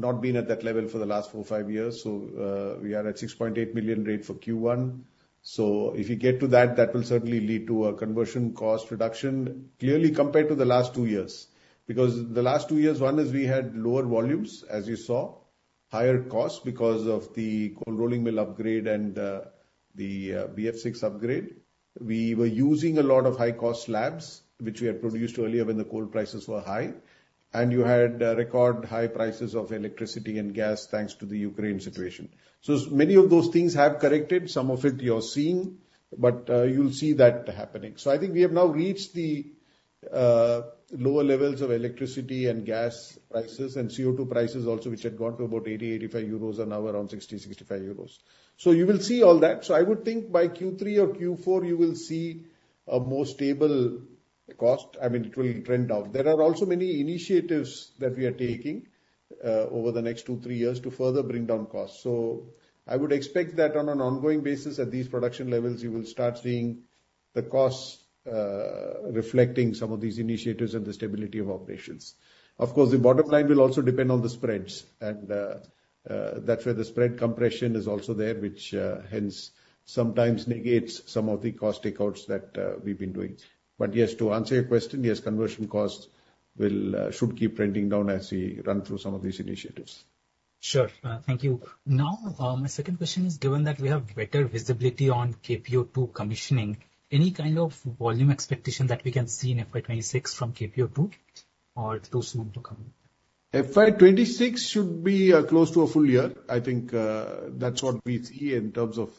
not been at that level for the last four, five years, so, we are at 6.8 million rate for Q1. So if you get to that, that will certainly lead to a conversion cost reduction, clearly, compared to the last two years. Because the last two years, one, is we had lower volumes, as you saw, higher costs because of the cold rolling mill upgrade and, the BF6 upgrade. We were using a lot of high-cost slabs, which we had produced earlier when the coal prices were high, and you had record high prices of electricity and gas, thanks to the Ukraine situation. So many of those things have corrected. Some of it you're seeing, but, you'll see that happening. So I think we have now reached the, lower levels of electricity and gas prices, and CO2 prices also, which had gone to about 80-85 euros, are now around 60-65 euros. So you will see all that. So I would think by Q3 or Q4, you will see a more stable cost. I mean, it will trend down. There are also many initiatives that we are taking, over the next 2-3 years to further bring down costs. So I would expect that on an ongoing basis, at these production levels, you will start seeing the costs, reflecting some of these initiatives and the stability of operations. Of course, the bottom line will also depend on the spreads, and, that's where the spread compression is also there, which, hence, sometimes negates some of the cost takeouts that, we've been doing. But yes, to answer your question, yes, conversion costs will, should keep trending down as we run through some of these initiatives. Sure. Thank you. Now, my second question is, given that we have better visibility on KPO2 commissioning, any kind of volume expectation that we can see in FY 2026 from KPO2, or it's too soon to come? FY 2026 should be close to a full year. I think, that's what we see in terms of,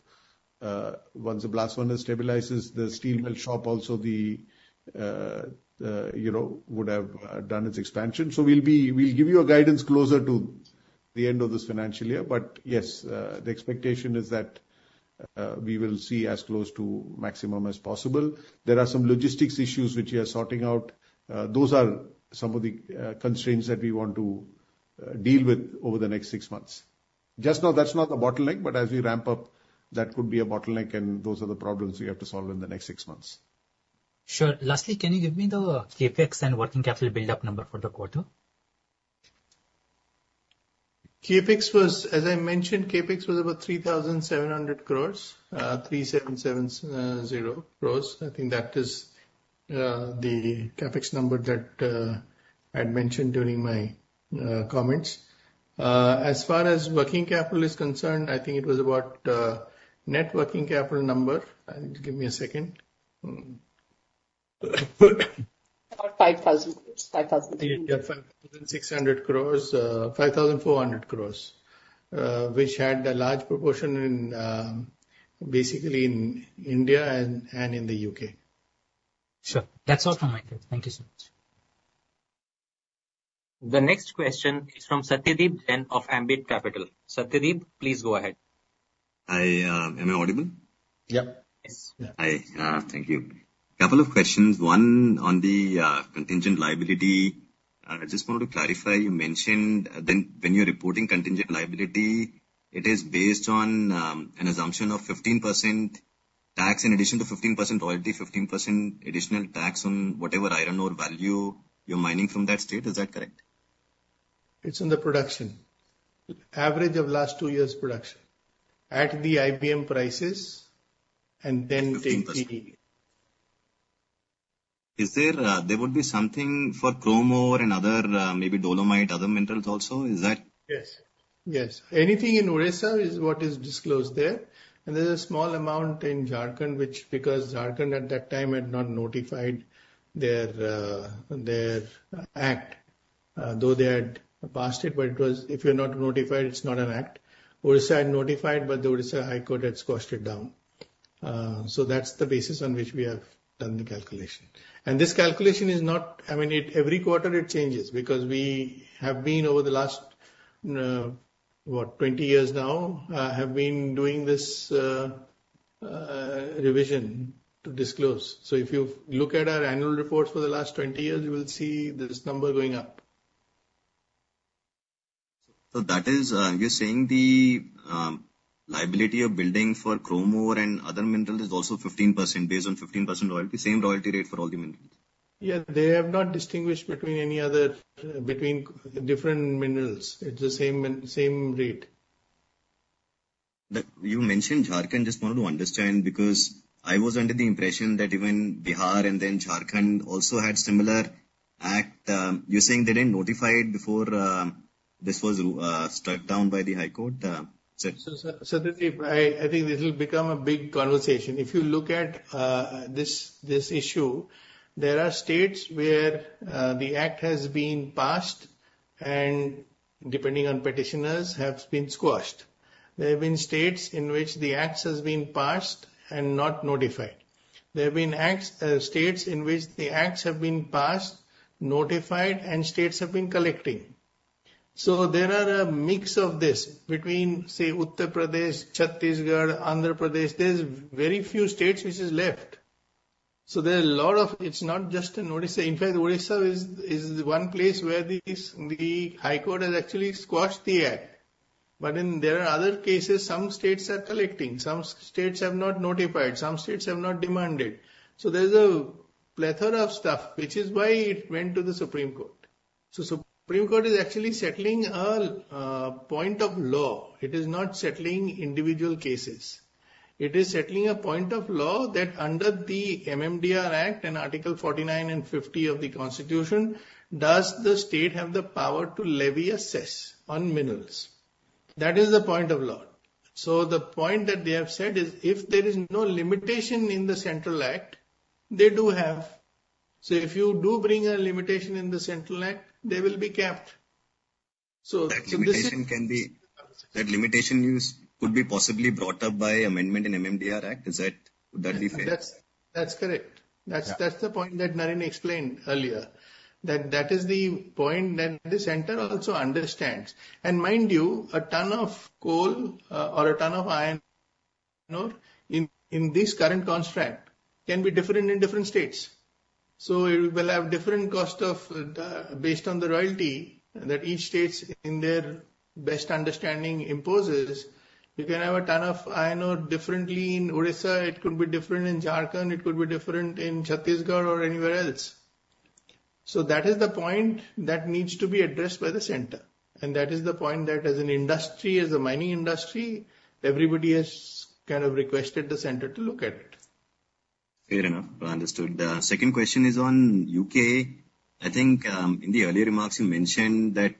once the blast furnace stabilizes, the Steel Melt Shop also the, you know, would have done its expansion. So we'll give you a guidance closer to the end of this financial year. But yes, the expectation is that, we will see as close to maximum as possible. There are some logistics issues which we are sorting out. Those are some of the constraints that we want to deal with over the next six months. Just now, that's not the bottleneck, but as we ramp up, that could be a bottleneck, and those are the problems we have to solve in the next six months. Sure. Lastly, can you give me the CapEx and working capital buildup number for the quarter? CapEx was... As I mentioned, CapEx was about 3,700 crore, 3,770 crore. I think that is the CapEx number that I'd mentioned during my comments. As far as working capital is concerned, I think it was about net working capital number. Give me a second. About INR 5,000 crore. 5,000- Yeah, 5,600 crore, 5,400 crore, which had a large proportion in, basically in India and in the U.K. Sure. That's all from my side. Thank you so much. The next question is from Satyadeep Jain of Ambit Capital. Satyadeep, please go ahead. Hi, am I audible? Yep. Yes. Hi, thank you. Couple of questions. One, on the, contingent liability, I just want to clarify. You mentioned, when, when you're reporting contingent liability, it is based on, an assumption of 15% tax, in addition to 15% royalty, 15% additional tax on whatever iron ore value you're mining from that state. Is that correct? It's in the production. Average of last two years' production, at the IBM prices, and then take the- 15%. Is there, there would be something for chrome ore and other, maybe dolomite, other minerals also? Is that- Yes. Yes. Anything in Odisha is what is disclosed there, and there's a small amount in Jharkhand, which, because Jharkhand at that time had not notified their, their act, though they had passed it, but it was... If you're not notified, it's not an act. Odisha had notified, but the Odisha High Court had squashed it down. So that's the basis on which we have done the calculation. And this calculation is not... I mean, it, every quarter it changes, because we have been, over the last, what, 20 years now, have been doing this, revision to disclose. So if you look at our annual reports for the last 20 years, you will see this number going up. So that is, you're saying the liability of billing for chrome ore and other minerals is also 15%, based on 15% royalty, same royalty rate for all the minerals? Yeah, they have not distinguished between any other, between different minerals. It's the same same rate. You mentioned Jharkhand. Just wanted to understand, because I was under the impression that even Bihar and then Jharkhand also had similar act. You're saying they didn't notify it before this was struck down by the high court? Sir. Satyadeep, I think this will become a big conversation. If you look at this issue, there are states where the act has been passed. ...and depending on petitioners, have been squashed. There have been states in which the acts has been passed and not notified. There have been acts, states in which the acts have been passed, notified, and states have been collecting. So there are a mix of this between, say, Uttar Pradesh, Chhattisgarh, Andhra Pradesh, there's very few states which is left. So there are a lot of— It's not just in Odisha. In fact, Odisha is, is one place where the, the High Court has actually squashed the act. But then there are other cases, some states are collecting, some states have not notified, some states have not demanded. So there's a plethora of stuff, which is why it went to the Supreme Court. So Supreme Court is actually settling a, point of law. It is not settling individual cases. It is settling a point of law that under the MMDR Act and Article 49 and 50 of the Constitution, does the state have the power to levy a cess on minerals? That is the point of law. So the point that they have said is, if there is no limitation in the Central Act, they do have. So if you do bring a limitation in the Central Act, they will be capped. So- That limitation is, could be possibly brought up by amendment in MMDR Act, is that, would that be fair? That's correct. Yeah. That's the point that Naren explained earlier, that that is the point, and the centre also understands. And mind you, a ton of coal or a ton of iron ore in this current contract can be different in different states. So it will have different cost based on the royalty that each state, in their best understanding, imposes. You can have a ton of iron ore differently in Odisha, it could be different in Jharkhand, it could be different in Chhattisgarh or anywhere else. So that is the point that needs to be addressed by the centre, and that is the point that as an industry, as a mining industry, everybody has kind of requested the centre to look at it. Fair enough. Understood. Second question is on U.K. I think, in the earlier remarks, you mentioned that,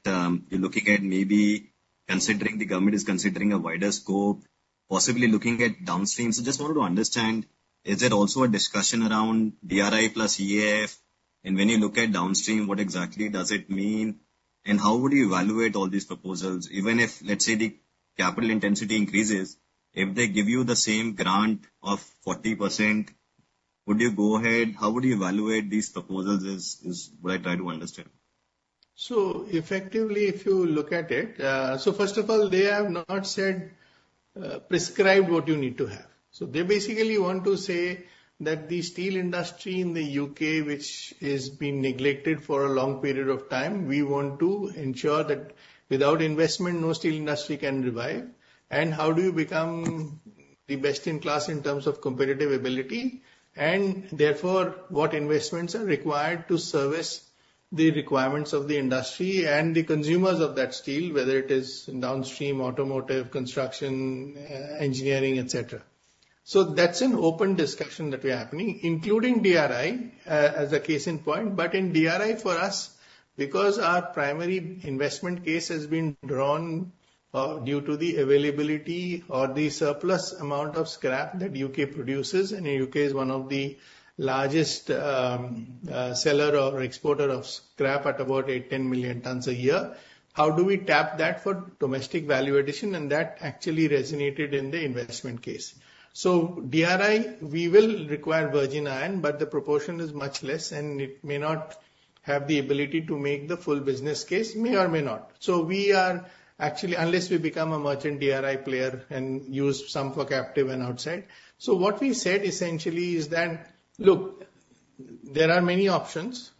you're looking at maybe considering—the government is considering a wider scope, possibly looking at downstream. So just wanted to understand, is there also a discussion around DRI plus EF? And when you look at downstream, what exactly does it mean, and how would you evaluate all these proposals? Even if, let's say, the capital intensity increases, if they give you the same grant of 40%, would you go ahead? How would you evaluate these proposals, is, is what I try to understand. So effectively, if you look at it, so first of all, they have not said prescribed what you need to have. So they basically want to say that the steel industry in the U.K., which has been neglected for a long period of time, we want to ensure that without investment, no steel industry can revive. And how do you become the best in class in terms of competitive ability, and therefore, what investments are required to service the requirements of the industry and the consumers of that steel, whether it is downstream, automotive, construction, engineering, et cetera. So that's an open discussion that we are having, including DRI, as a case in point. But in DRI for us, because our primary investment case has been drawn, due to the availability or the surplus amount of scrap that U.K. produces, and U.K. is one of the largest, seller or exporter of scrap at about 8-10 million tons a year. How do we tap that for domestic value addition? And that actually resonated in the investment case. So DRI, we will require virgin iron, but the proportion is much less, and it may not have the ability to make the full business case, may or may not. So we are actually, unless we become a merchant DRI player and use some for captive and outside. So what we said essentially is that, look, there are many options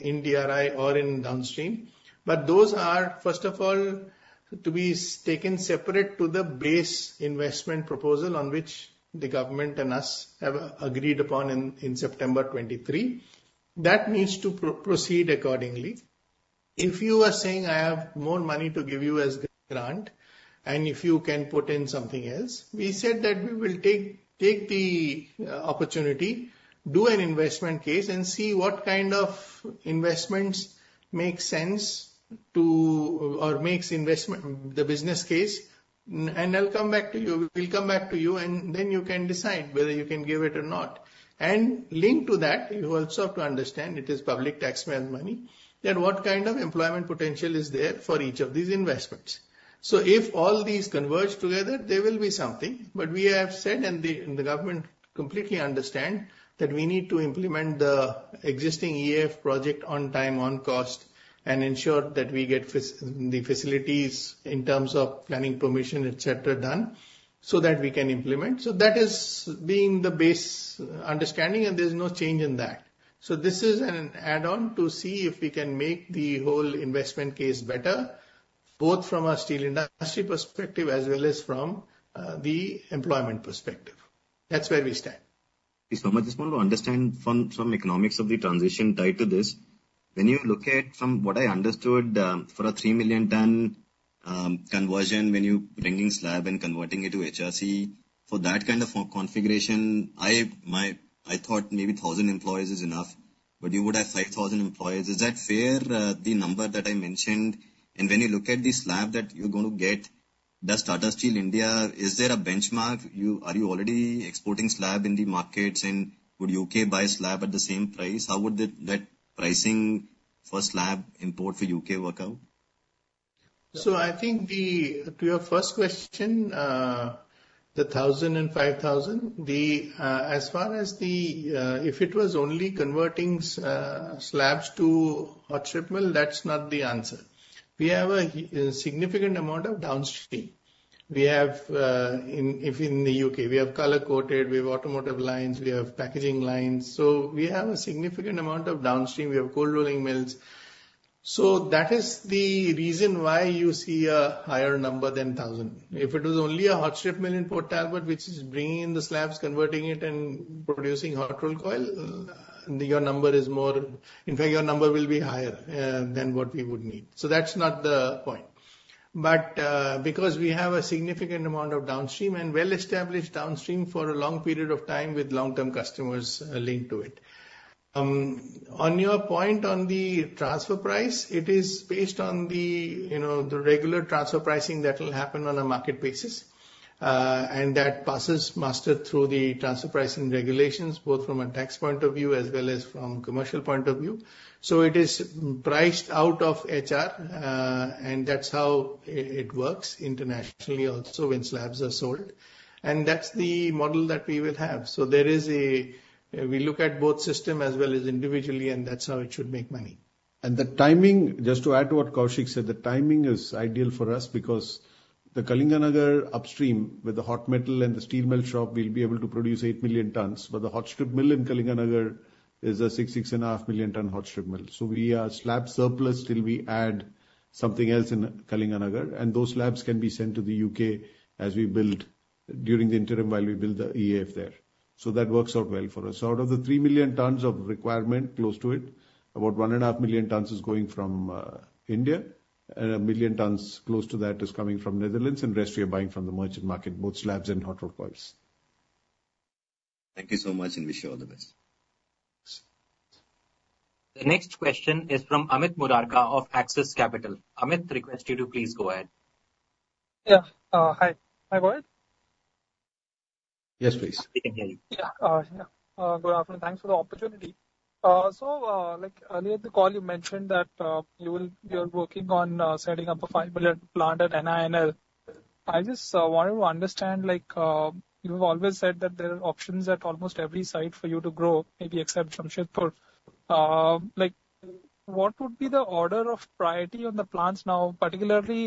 in DRI or in downstream, but those are, first of all, to be taken separate to the base investment proposal on which the government and us have agreed upon in September 2023. That needs to proceed accordingly. If you are saying, "I have more money to give you as grant, and if you can put in something else," we said that we will take the opportunity, do an investment case, and see what kind of investments make sense to... or makes investment, the business case, and I'll come back to you. We'll come back to you, and then you can decide whether you can give it or not. And linked to that, you also have to understand, it is public taxpayer money, that what kind of employment potential is there for each of these investments? So if all these converge together, there will be something. But we have said, and the government completely understand, that we need to implement the existing EF project on time, on cost, and ensure that we get the facilities in terms of planning, permission, et cetera, done, so that we can implement. So that is being the base understanding, and there's no change in that. So this is an add-on to see if we can make the whole investment case better, both from a steel industry perspective as well as from the employment perspective. That's where we stand. Thank you so much. I just want to understand from the economics of the transition tied to this. When you look at, from what I understood, for a 3 million ton conversion, when you bringing slab and converting it to HRC, for that kind of configuration, I thought maybe 1,000 employees is enough, but you would have 5,000 employees. Is that fair, the number that I mentioned? And when you look at the slab that you're going to get, does Tata Steel India, is there a benchmark? You are already exporting slab in the markets, and would U.K. buy slab at the same price? How would the, that pricing for slab import for U.K. work out? So I think the, to your first question, the 1,000 and 5,000, the, as far as the, if it was only converting slabs to a strip mill, that's not the answer. We have a significant amount of downstream. We have, in, if in the U.K., we have color-coated, we have automotive lines, we have packaging lines, so we have a significant amount of downstream. We have cold rolling mills. So that is the reason why you see a higher number than 1,000. If it was only a hot strip mill in Port Talbot, which is bringing in the slabs, converting it, and producing hot rolled coil, your number is more... In fact, your number will be higher, than what we would need. So that's not the point. But, because we have a significant amount of downstream and well-established downstream for a long period of time with long-term customers, linked to it. On your point on the transfer price, it is based on the, you know, the regular transfer pricing that will happen on a market basis. And that passes muster through the transfer pricing regulations, both from a tax point of view as well as from commercial point of view. So it is priced out of HR, and that's how it works internationally also when slabs are sold. And that's the model that we will have. So there is a system as well as individually, and that's how it should make money. The timing, just to add to what Koushik said, the timing is ideal for us because the Kalinganagar upstream, with the hot metal and the Steel Melt Shop, we'll be able to produce 8 million tons, but the hot strip mill in Kalinganagar is a 6-6.5 million ton hot strip mill. So we are slab surplus till we add something else in Kalinganagar, and those slabs can be sent to the U.K. as we build, during the interim, while we build the EAF there. So that works out well for us. Out of the 3 million tons of requirement, close to it, about 1.5 million tons is going from India, and 1 million tons, close to that, is coming from Netherlands, and the rest we are buying from the merchant market, both slabs and hot rolled coils. Thank you so much, and wish you all the best. The next question is from Amit Murarka of Axis Capital. Amit, request you to please go ahead. Yeah, hi. I go ahead? Yes, please. We can hear you. Yeah, yeah. Good afternoon. Thanks for the opportunity. So, like earlier in the call, you mentioned that, you will- you are working on, setting up a 5 million plant at NINL. I just, wanted to understand, like, you've always said that there are options at almost every site for you to grow, maybe except Jamshedpur. Like, what would be the order of priority on the plants now, particularly,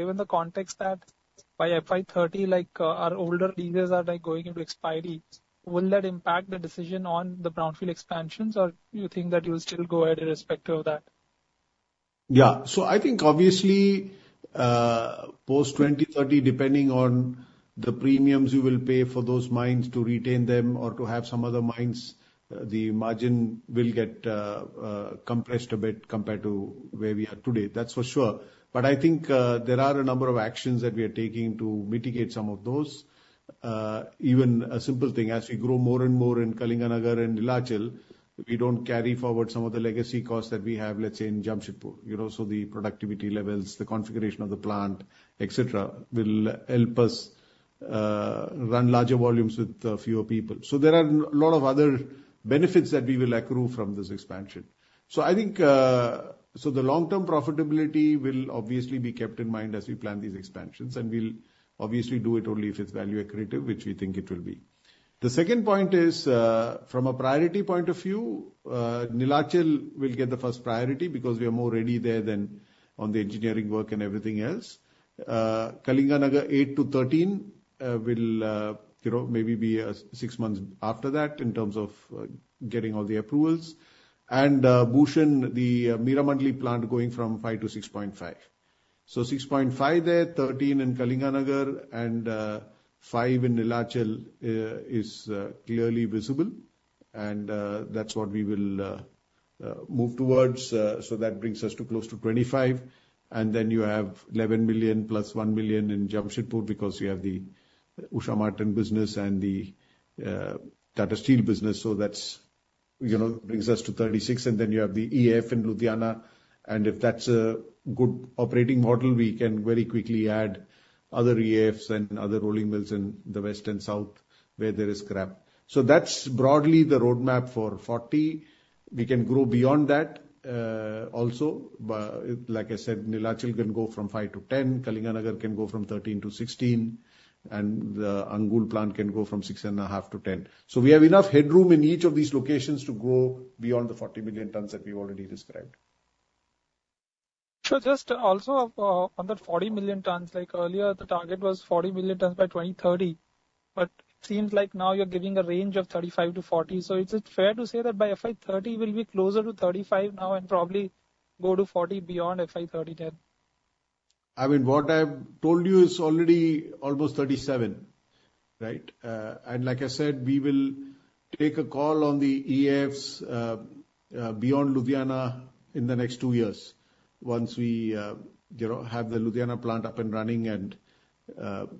given the context that by FY 2030, like, our older leases are, like, going into expiry. Will that impact the decision on the brownfield expansions, or you think that you'll still go ahead irrespective of that? Yeah. So I think obviously, post 2030, depending on the premiums you will pay for those mines to retain them or to have some other mines, the margin will get compressed a bit compared to where we are today. That's for sure. But I think, there are a number of actions that we are taking to mitigate some of those. Even a simple thing, as we grow more and more in Kalinganagar and Neelachal, we don't carry forward some of the legacy costs that we have, let's say, in Jamshedpur. You know, so the productivity levels, the configuration of the plant, et cetera, will help us run larger volumes with fewer people. So there are a lot of other benefits that we will accrue from this expansion. So I think, so the long-term profitability will obviously be kept in mind as we plan these expansions, and we'll obviously do it only if it's value accretive, which we think it will be. The second point is, from a priority point of view, Neelachal will get the first priority because we are more ready there than on the engineering work and everything else. Kalinganagar eight-13, you know, maybe be six months after that in terms of getting all the approvals. And, Bhushan, the Meramandali plant, going from five to 6.5. So 6.5 there, 13 in Kalinganagar, and five in Neelachal is clearly visible, and that's what we will move towards. So that brings us to close to 25. And then you have 11 million plus 1 million in Jamshedpur because you have the Usha Martin business and the, Tata Steel business, so that's, you know, brings us to 36. And then you have the EAF in Ludhiana, and if that's a good operating model, we can very quickly add other EAFs and other rolling mills in the west and south, where there is scrap. So that's broadly the roadmap for 40. We can grow beyond that, also, but like I said, Neelachal can go from 5 to 10, Kalinganagar can go from 13 to 16, and the Angul plant can go from 6.5 to 10. So we have enough headroom in each of these locations to grow beyond the 40 million tons that we've already described. So just also of, on the 40 million tons, like earlier, the target was 40 million tons by 2030, but it seems like now you're giving a range of 35-40. So is it fair to say that by FY 2030, we'll be closer to 35 now and probably go to 40 beyond FY 2030 then? I mean, what I've told you is already almost 37, right? And like I said, we will take a call on the EAFs beyond Ludhiana in the next two years. Once we, you know, have the Ludhiana plant up and running and,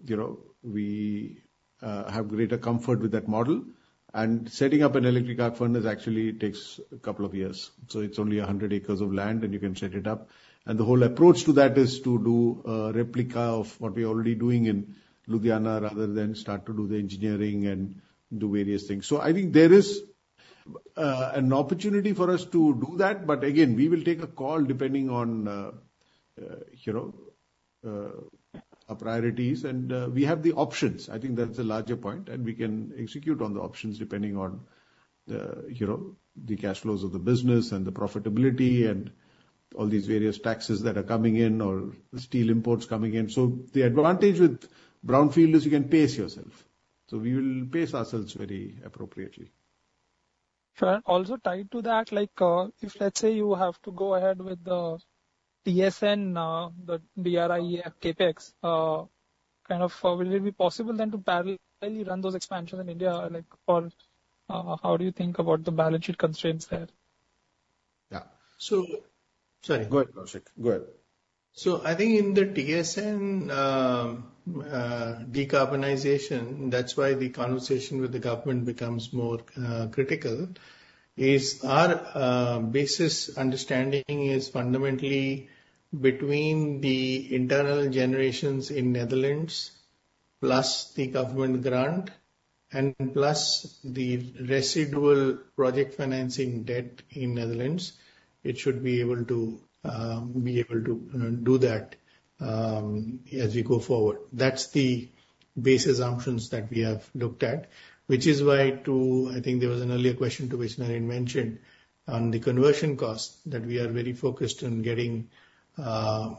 you know, we have greater comfort with that model. Setting up an electric arc furnace actually takes a couple of years. So it's only 100 acres of land, and you can set it up. And the whole approach to that is to do a replica of what we're already doing in Ludhiana, rather than start to do the engineering and do various things. So I think there is an opportunity for us to do that, but again, we will take a call depending on, you know, our priorities. And we have the options. I think that's the larger point, and we can execute on the options depending on the, you know, the cash flows of the business and the profitability and all these various taxes that are coming in, or steel imports coming in. The advantage with brownfield is you can pace yourself. We will pace ourselves very appropriately. Sure. Also tied to that, like, if, let's say, you have to go ahead with the TSN, the DRI CapEx, kind of, will it be possible then to parallelly run those expansions in India? Like or, how do you think about the balance sheet constraints there? Yeah. So... Sorry. Go ahead, Koushik. Go ahead. So I think in the TSN decarbonization, that's why the conversation with the government becomes more critical, is our basis understanding is fundamentally between the internal generations in Netherlands, plus the government grant, and plus the residual project financing debt in Netherlands, it should be able to be able to do that as we go forward. That's the basis assumptions that we have looked at. Which is why, too, I think there was an earlier question to which Naren mentioned on the conversion cost, that we are very focused on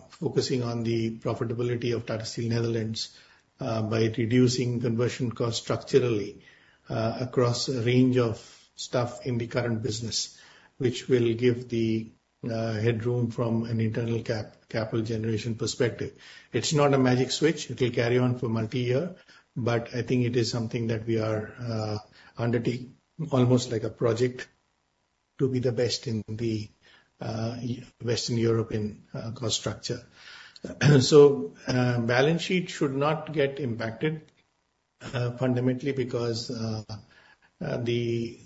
focusing on the profitability of Tata Steel Netherlands by reducing conversion cost structurally across a range of stuff in the current business, which will give the headroom from an internal capital generation perspective. It's not a magic switch. It will carry on for multi-year, but I think it is something that we are undertaking, almost like a project, to be the best in the Western European cost structure. So, balance sheet should not get impacted fundamentally because the...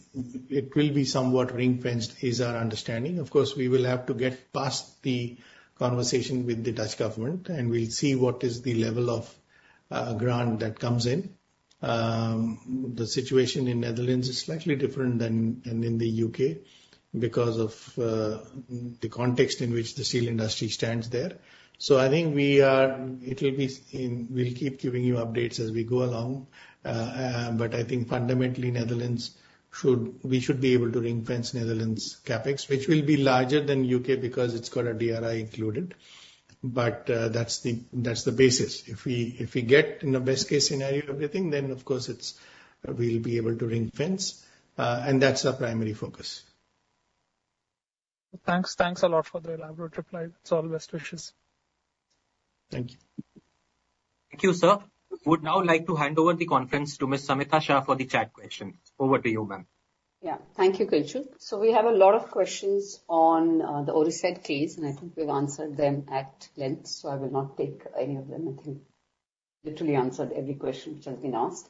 It will be somewhat ring-fenced, is our understanding. Of course, we will have to get past the conversation with the Dutch government, and we'll see what is the level of grant that comes in. The situation in Netherlands is slightly different than in the U.K., because of the context in which the steel industry stands there. So I think it will be... We'll keep giving you updates as we go along. But I think fundamentally, Netherlands, we should be able to ring-fence Netherlands CapEx, which will be larger than U.K. because it's got a DRI included. But that's the basis. If we get in a best-case scenario everything, then of course it's, we'll be able to ring-fence, and that's our primary focus. Thanks. Thanks a lot for the elaborate reply. It's all best wishes. Thank you. Thank you, sir. Would now like to hand over the conference to Miss Samita Shah for the chat questions. Over to you, ma'am. Yeah. Thank you, Kinshuk. So we have a lot of questions on the Odisha case, and I think we've answered them at length, so I will not take any of them. I think literally answered every question which has been asked.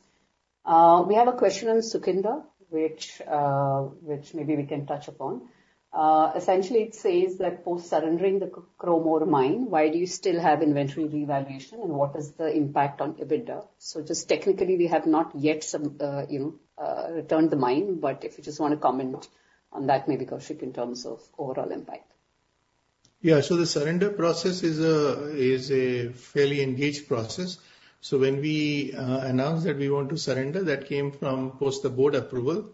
We have a question on Sukinda, which maybe we can touch upon. Essentially, it says that post surrendering the chrome ore mine, why do you still have inventory revaluation, and what is the impact on EBITDA? So just technically, we have not yet surrendered the mine, but if you just want to comment on that, maybe, Koushik, in terms of overall impact. Yeah. So the surrender process is a fairly engaged process. So when we announced that we want to surrender, that came from post the board approval.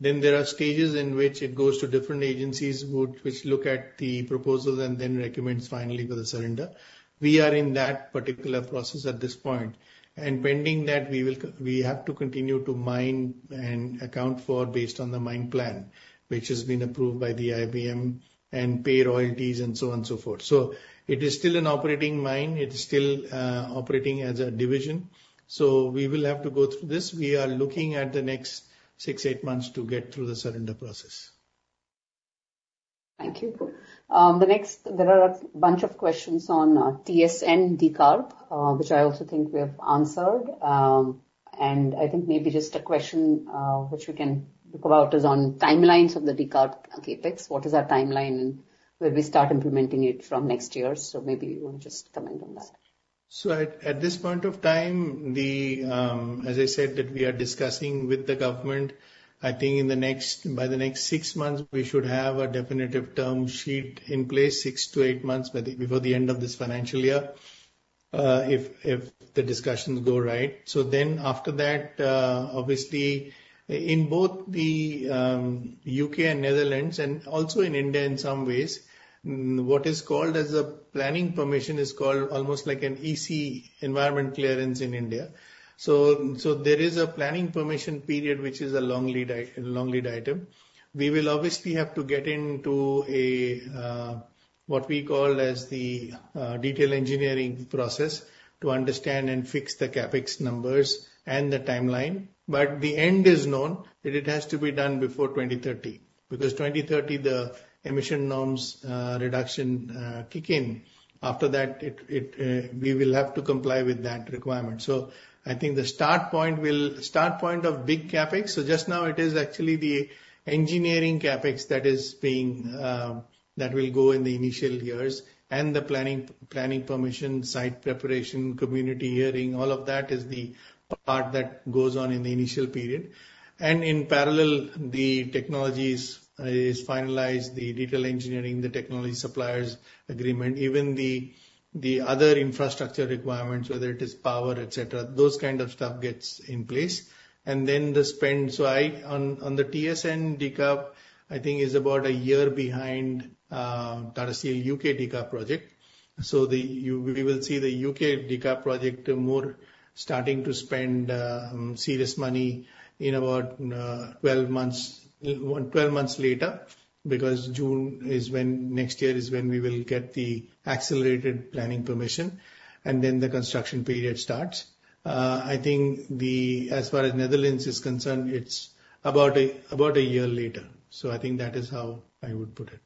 Then there are stages in which it goes to different agencies, which look at the proposals and then recommends finally for the surrender. We are in that particular process at this point. And pending that, we have to continue to mine and account for based on the mine plan, which has been approved by the IBM, and pay royalties, and so on and so forth. So it is still an operating mine, it is still operating as a division, so we will have to go through this. We are looking at the next six-eight months to get through the surrender process. Thank you. The next, there are a bunch of questions on TSN decarb, which I also think we have answered. And I think maybe just a question, which we can look about is on timelines of the decarb CapEx. What is our timeline, and will we start implementing it from next year? So maybe you want to just comment on that. So at this point of time, as I said, that we are discussing with the government. I think by the next six months, we should have a definitive term sheet in place, six-eight months, by before the end of this financial year, if the discussions go right. So then after that, obviously, in both the U.K. and Netherlands, and also in India in some ways, what is called as a planning permission is called almost like an EC environment clearance in India. So there is a planning permission period, which is a long lead item. We will obviously have to get into a what we call as the detail engineering process to understand and fix the CapEx numbers and the timeline. But the end is known, that it has to be done before 2030. Because 2030, the emission norms, reduction, kick in. After that, it, we will have to comply with that requirement. So I think the start point will start point of big CapEx, so just now it is actually the engineering CapEx that is being, that will go in the initial years, and the planning, planning permission, site preparation, community hearing, all of that is the part that goes on in the initial period. And in parallel, the technologies is finalized, the detail engineering, the technology suppliers agreement, even the, the other infrastructure requirements, whether it is power, et cetera, those kind of stuff gets in place. And then the spend, so I... On the TSN decarb, I think is about a year behind, Tata Steel U.K. decarb project. So we will see the U.K. decarb project more starting to spend serious money in about 12 months, well, 12 months later. Because June is when, next year, is when we will get the accelerated planning permission, and then the construction period starts. I think the... As far as the Netherlands is concerned, it's about a, about a year later. So I think that is how I would put it.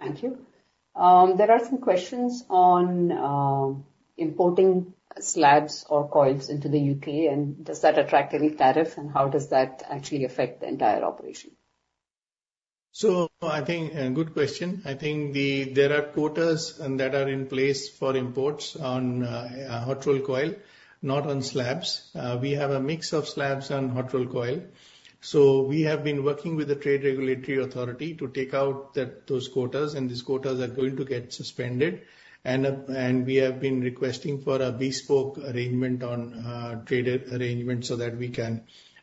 Thank you. There are some questions on importing slabs or coils into the U.K., and does that attract any tariff, and how does that actually affect the entire operation? So I think, good question. I think the, there are quotas that are in place for imports on, hot rolled coil, not on slabs. We have a mix of slabs on hot rolled coil. So we have been working with the Trade Regulatory Authority to take out that, those quotas, and these quotas are going to get suspended. And, and we have been requesting for a bespoke arrangement on, trade arrangement so that we can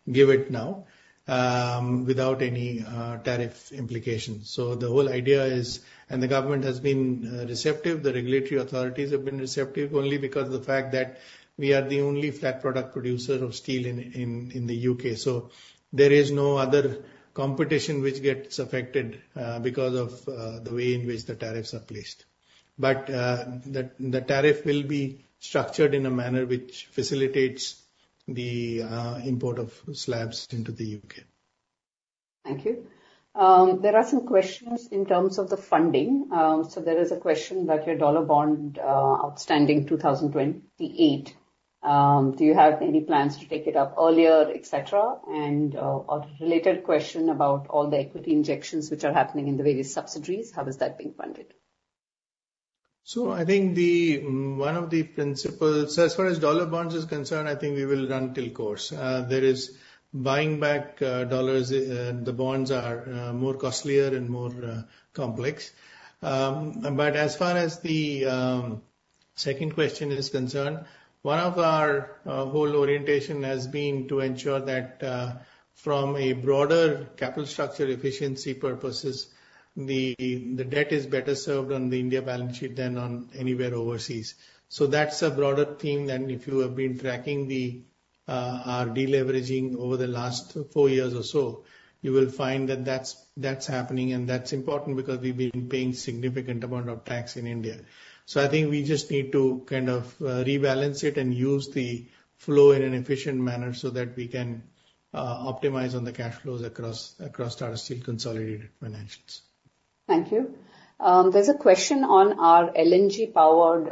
give it now, without any, tariff implications. So the whole idea is, and the government has been, receptive, the regulatory authorities have been receptive, only because of the fact that we are the only flat product producer of steel in, in, in the U.K. So there is no other competition which gets affected, because of, the way in which the tariffs are placed. But, the tariff will be structured in a manner which facilitates the import of slabs into the U.K. Thank you. There are some questions in terms of the funding. So there is a question that your dollar bond outstanding 2028, do you have any plans to take it up earlier, et cetera? And, a related question about all the equity injections which are happening in the various subsidiaries, how is that being funded? So I think the, one of the principles, as far as dollar bonds is concerned, I think we will run till course. There is buying back, dollars, the bonds are, more costlier and more, complex. But as far as the, second question is concerned, one of our, whole orientation has been to ensure that, from a broader capital structure efficiency purposes, the, the debt is better served on the India balance sheet than on anywhere overseas. So that's a broader theme, and if you have been tracking the, our deleveraging over the last four years or so, you will find that that's, that's happening. And that's important because we've been paying significant amount of tax in India. I think we just need to kind of rebalance it and use the flow in an efficient manner so that we can optimize on the cash flows across our steel consolidated financials. Thank you. There's a question on our LNG powered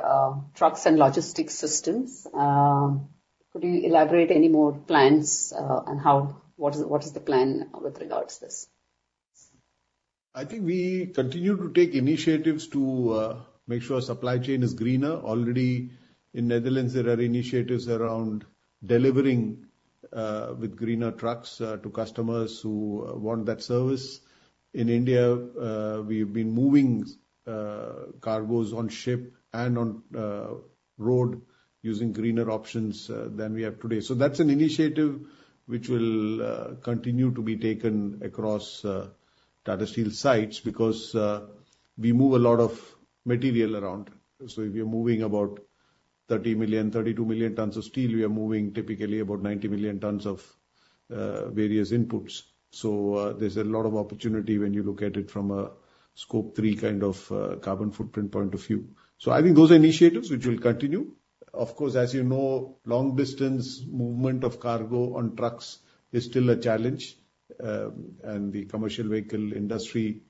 trucks and logistics systems. Could you elaborate any more plans, and how, what is, what is the plan with regards to this? I think we continue to take initiatives to make sure supply chain is greener. Already in Netherlands, there are initiatives around delivering with greener trucks to customers who want that service. In India, we've been moving cargoes on ship and on road using greener options than we have today. So that's an initiative which will continue to be taken across Tata Steel sites, because we move a lot of material around. So if we are moving about 30 million, 32 million tons of steel, we are moving typically about 90 million tons of various inputs. So there's a lot of opportunity when you look at it from a Scope 3 kind of carbon footprint point of view. So I think those are initiatives which will continue. Of course, as you know, long distance movement of cargo on trucks is still a challenge, and the commercial vehicle industry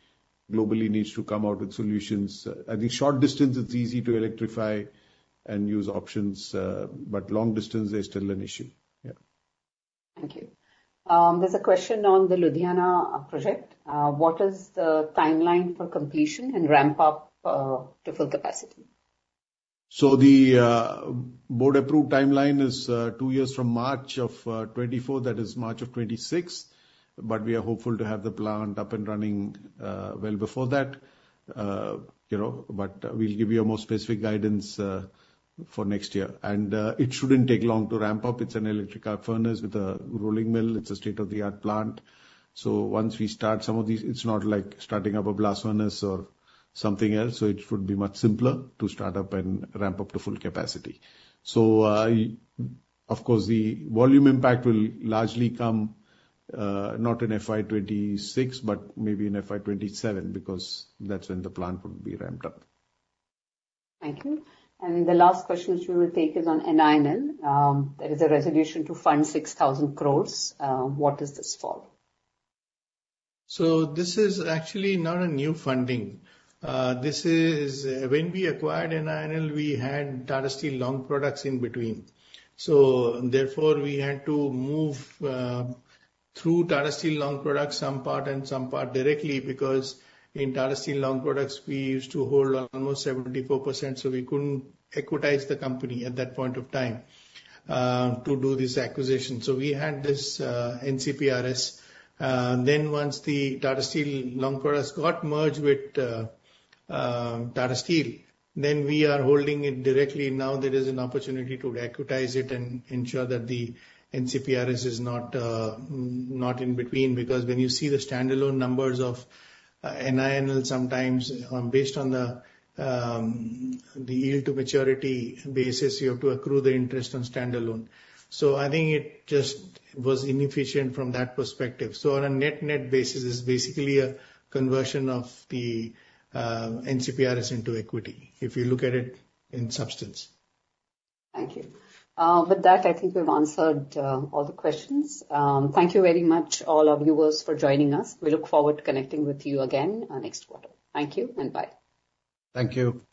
globally needs to come out with solutions. I think short distance, it's easy to electrify and use options, but long distance is still an issue. Yeah. Thank you. There's a question on the Ludhiana project. What is the timeline for completion and ramp up to full capacity? So the board-approved timeline is two years from March of 2024, that is March of 2026. But we are hopeful to have the plant up and running well before that. You know, but we'll give you a more specific guidance for next year. And it shouldn't take long to ramp up. It's an electric arc furnace with a rolling mill. It's a state-of-the-art plant. So once we start some of these, it's not like starting up a blast furnace or something else, so it should be much simpler to start up and ramp up to full capacity. So, of course, the volume impact will largely come not in FY 2026, but maybe in FY 2027, because that's when the plant would be ramped up. Thank you. And the last question which we will take is on NINL. There is a resolution to fund 6,000 crore. What is this for? So this is actually not a new funding. This is... When we acquired NINL, we had Tata Steel Long Products in between. So therefore, we had to move, through Tata Steel Long Products, some part and some part directly, because in Tata Steel Long Products, we used to hold almost 74%, so we couldn't equitize the company at that point of time, to do this acquisition. So we had this, NCRPS. Then once the Tata Steel Long Products got merged with Tata Steel, then we are holding it directly. Now, there is an opportunity to equitize it and ensure that the NCRPS is not, not in between. Because when you see the standalone numbers of NINL, sometimes, based on the, the yield to maturity basis, you have to accrue the interest on standalone. So I think it just was inefficient from that perspective. So on a net-net basis, it's basically a conversion of the NCRPS into equity, if you look at it in substance. Thank you. With that, I think we've answered all the questions. Thank you very much, all our viewers, for joining us. We look forward to connecting with you again next quarter. Thank you, and bye. Thank you.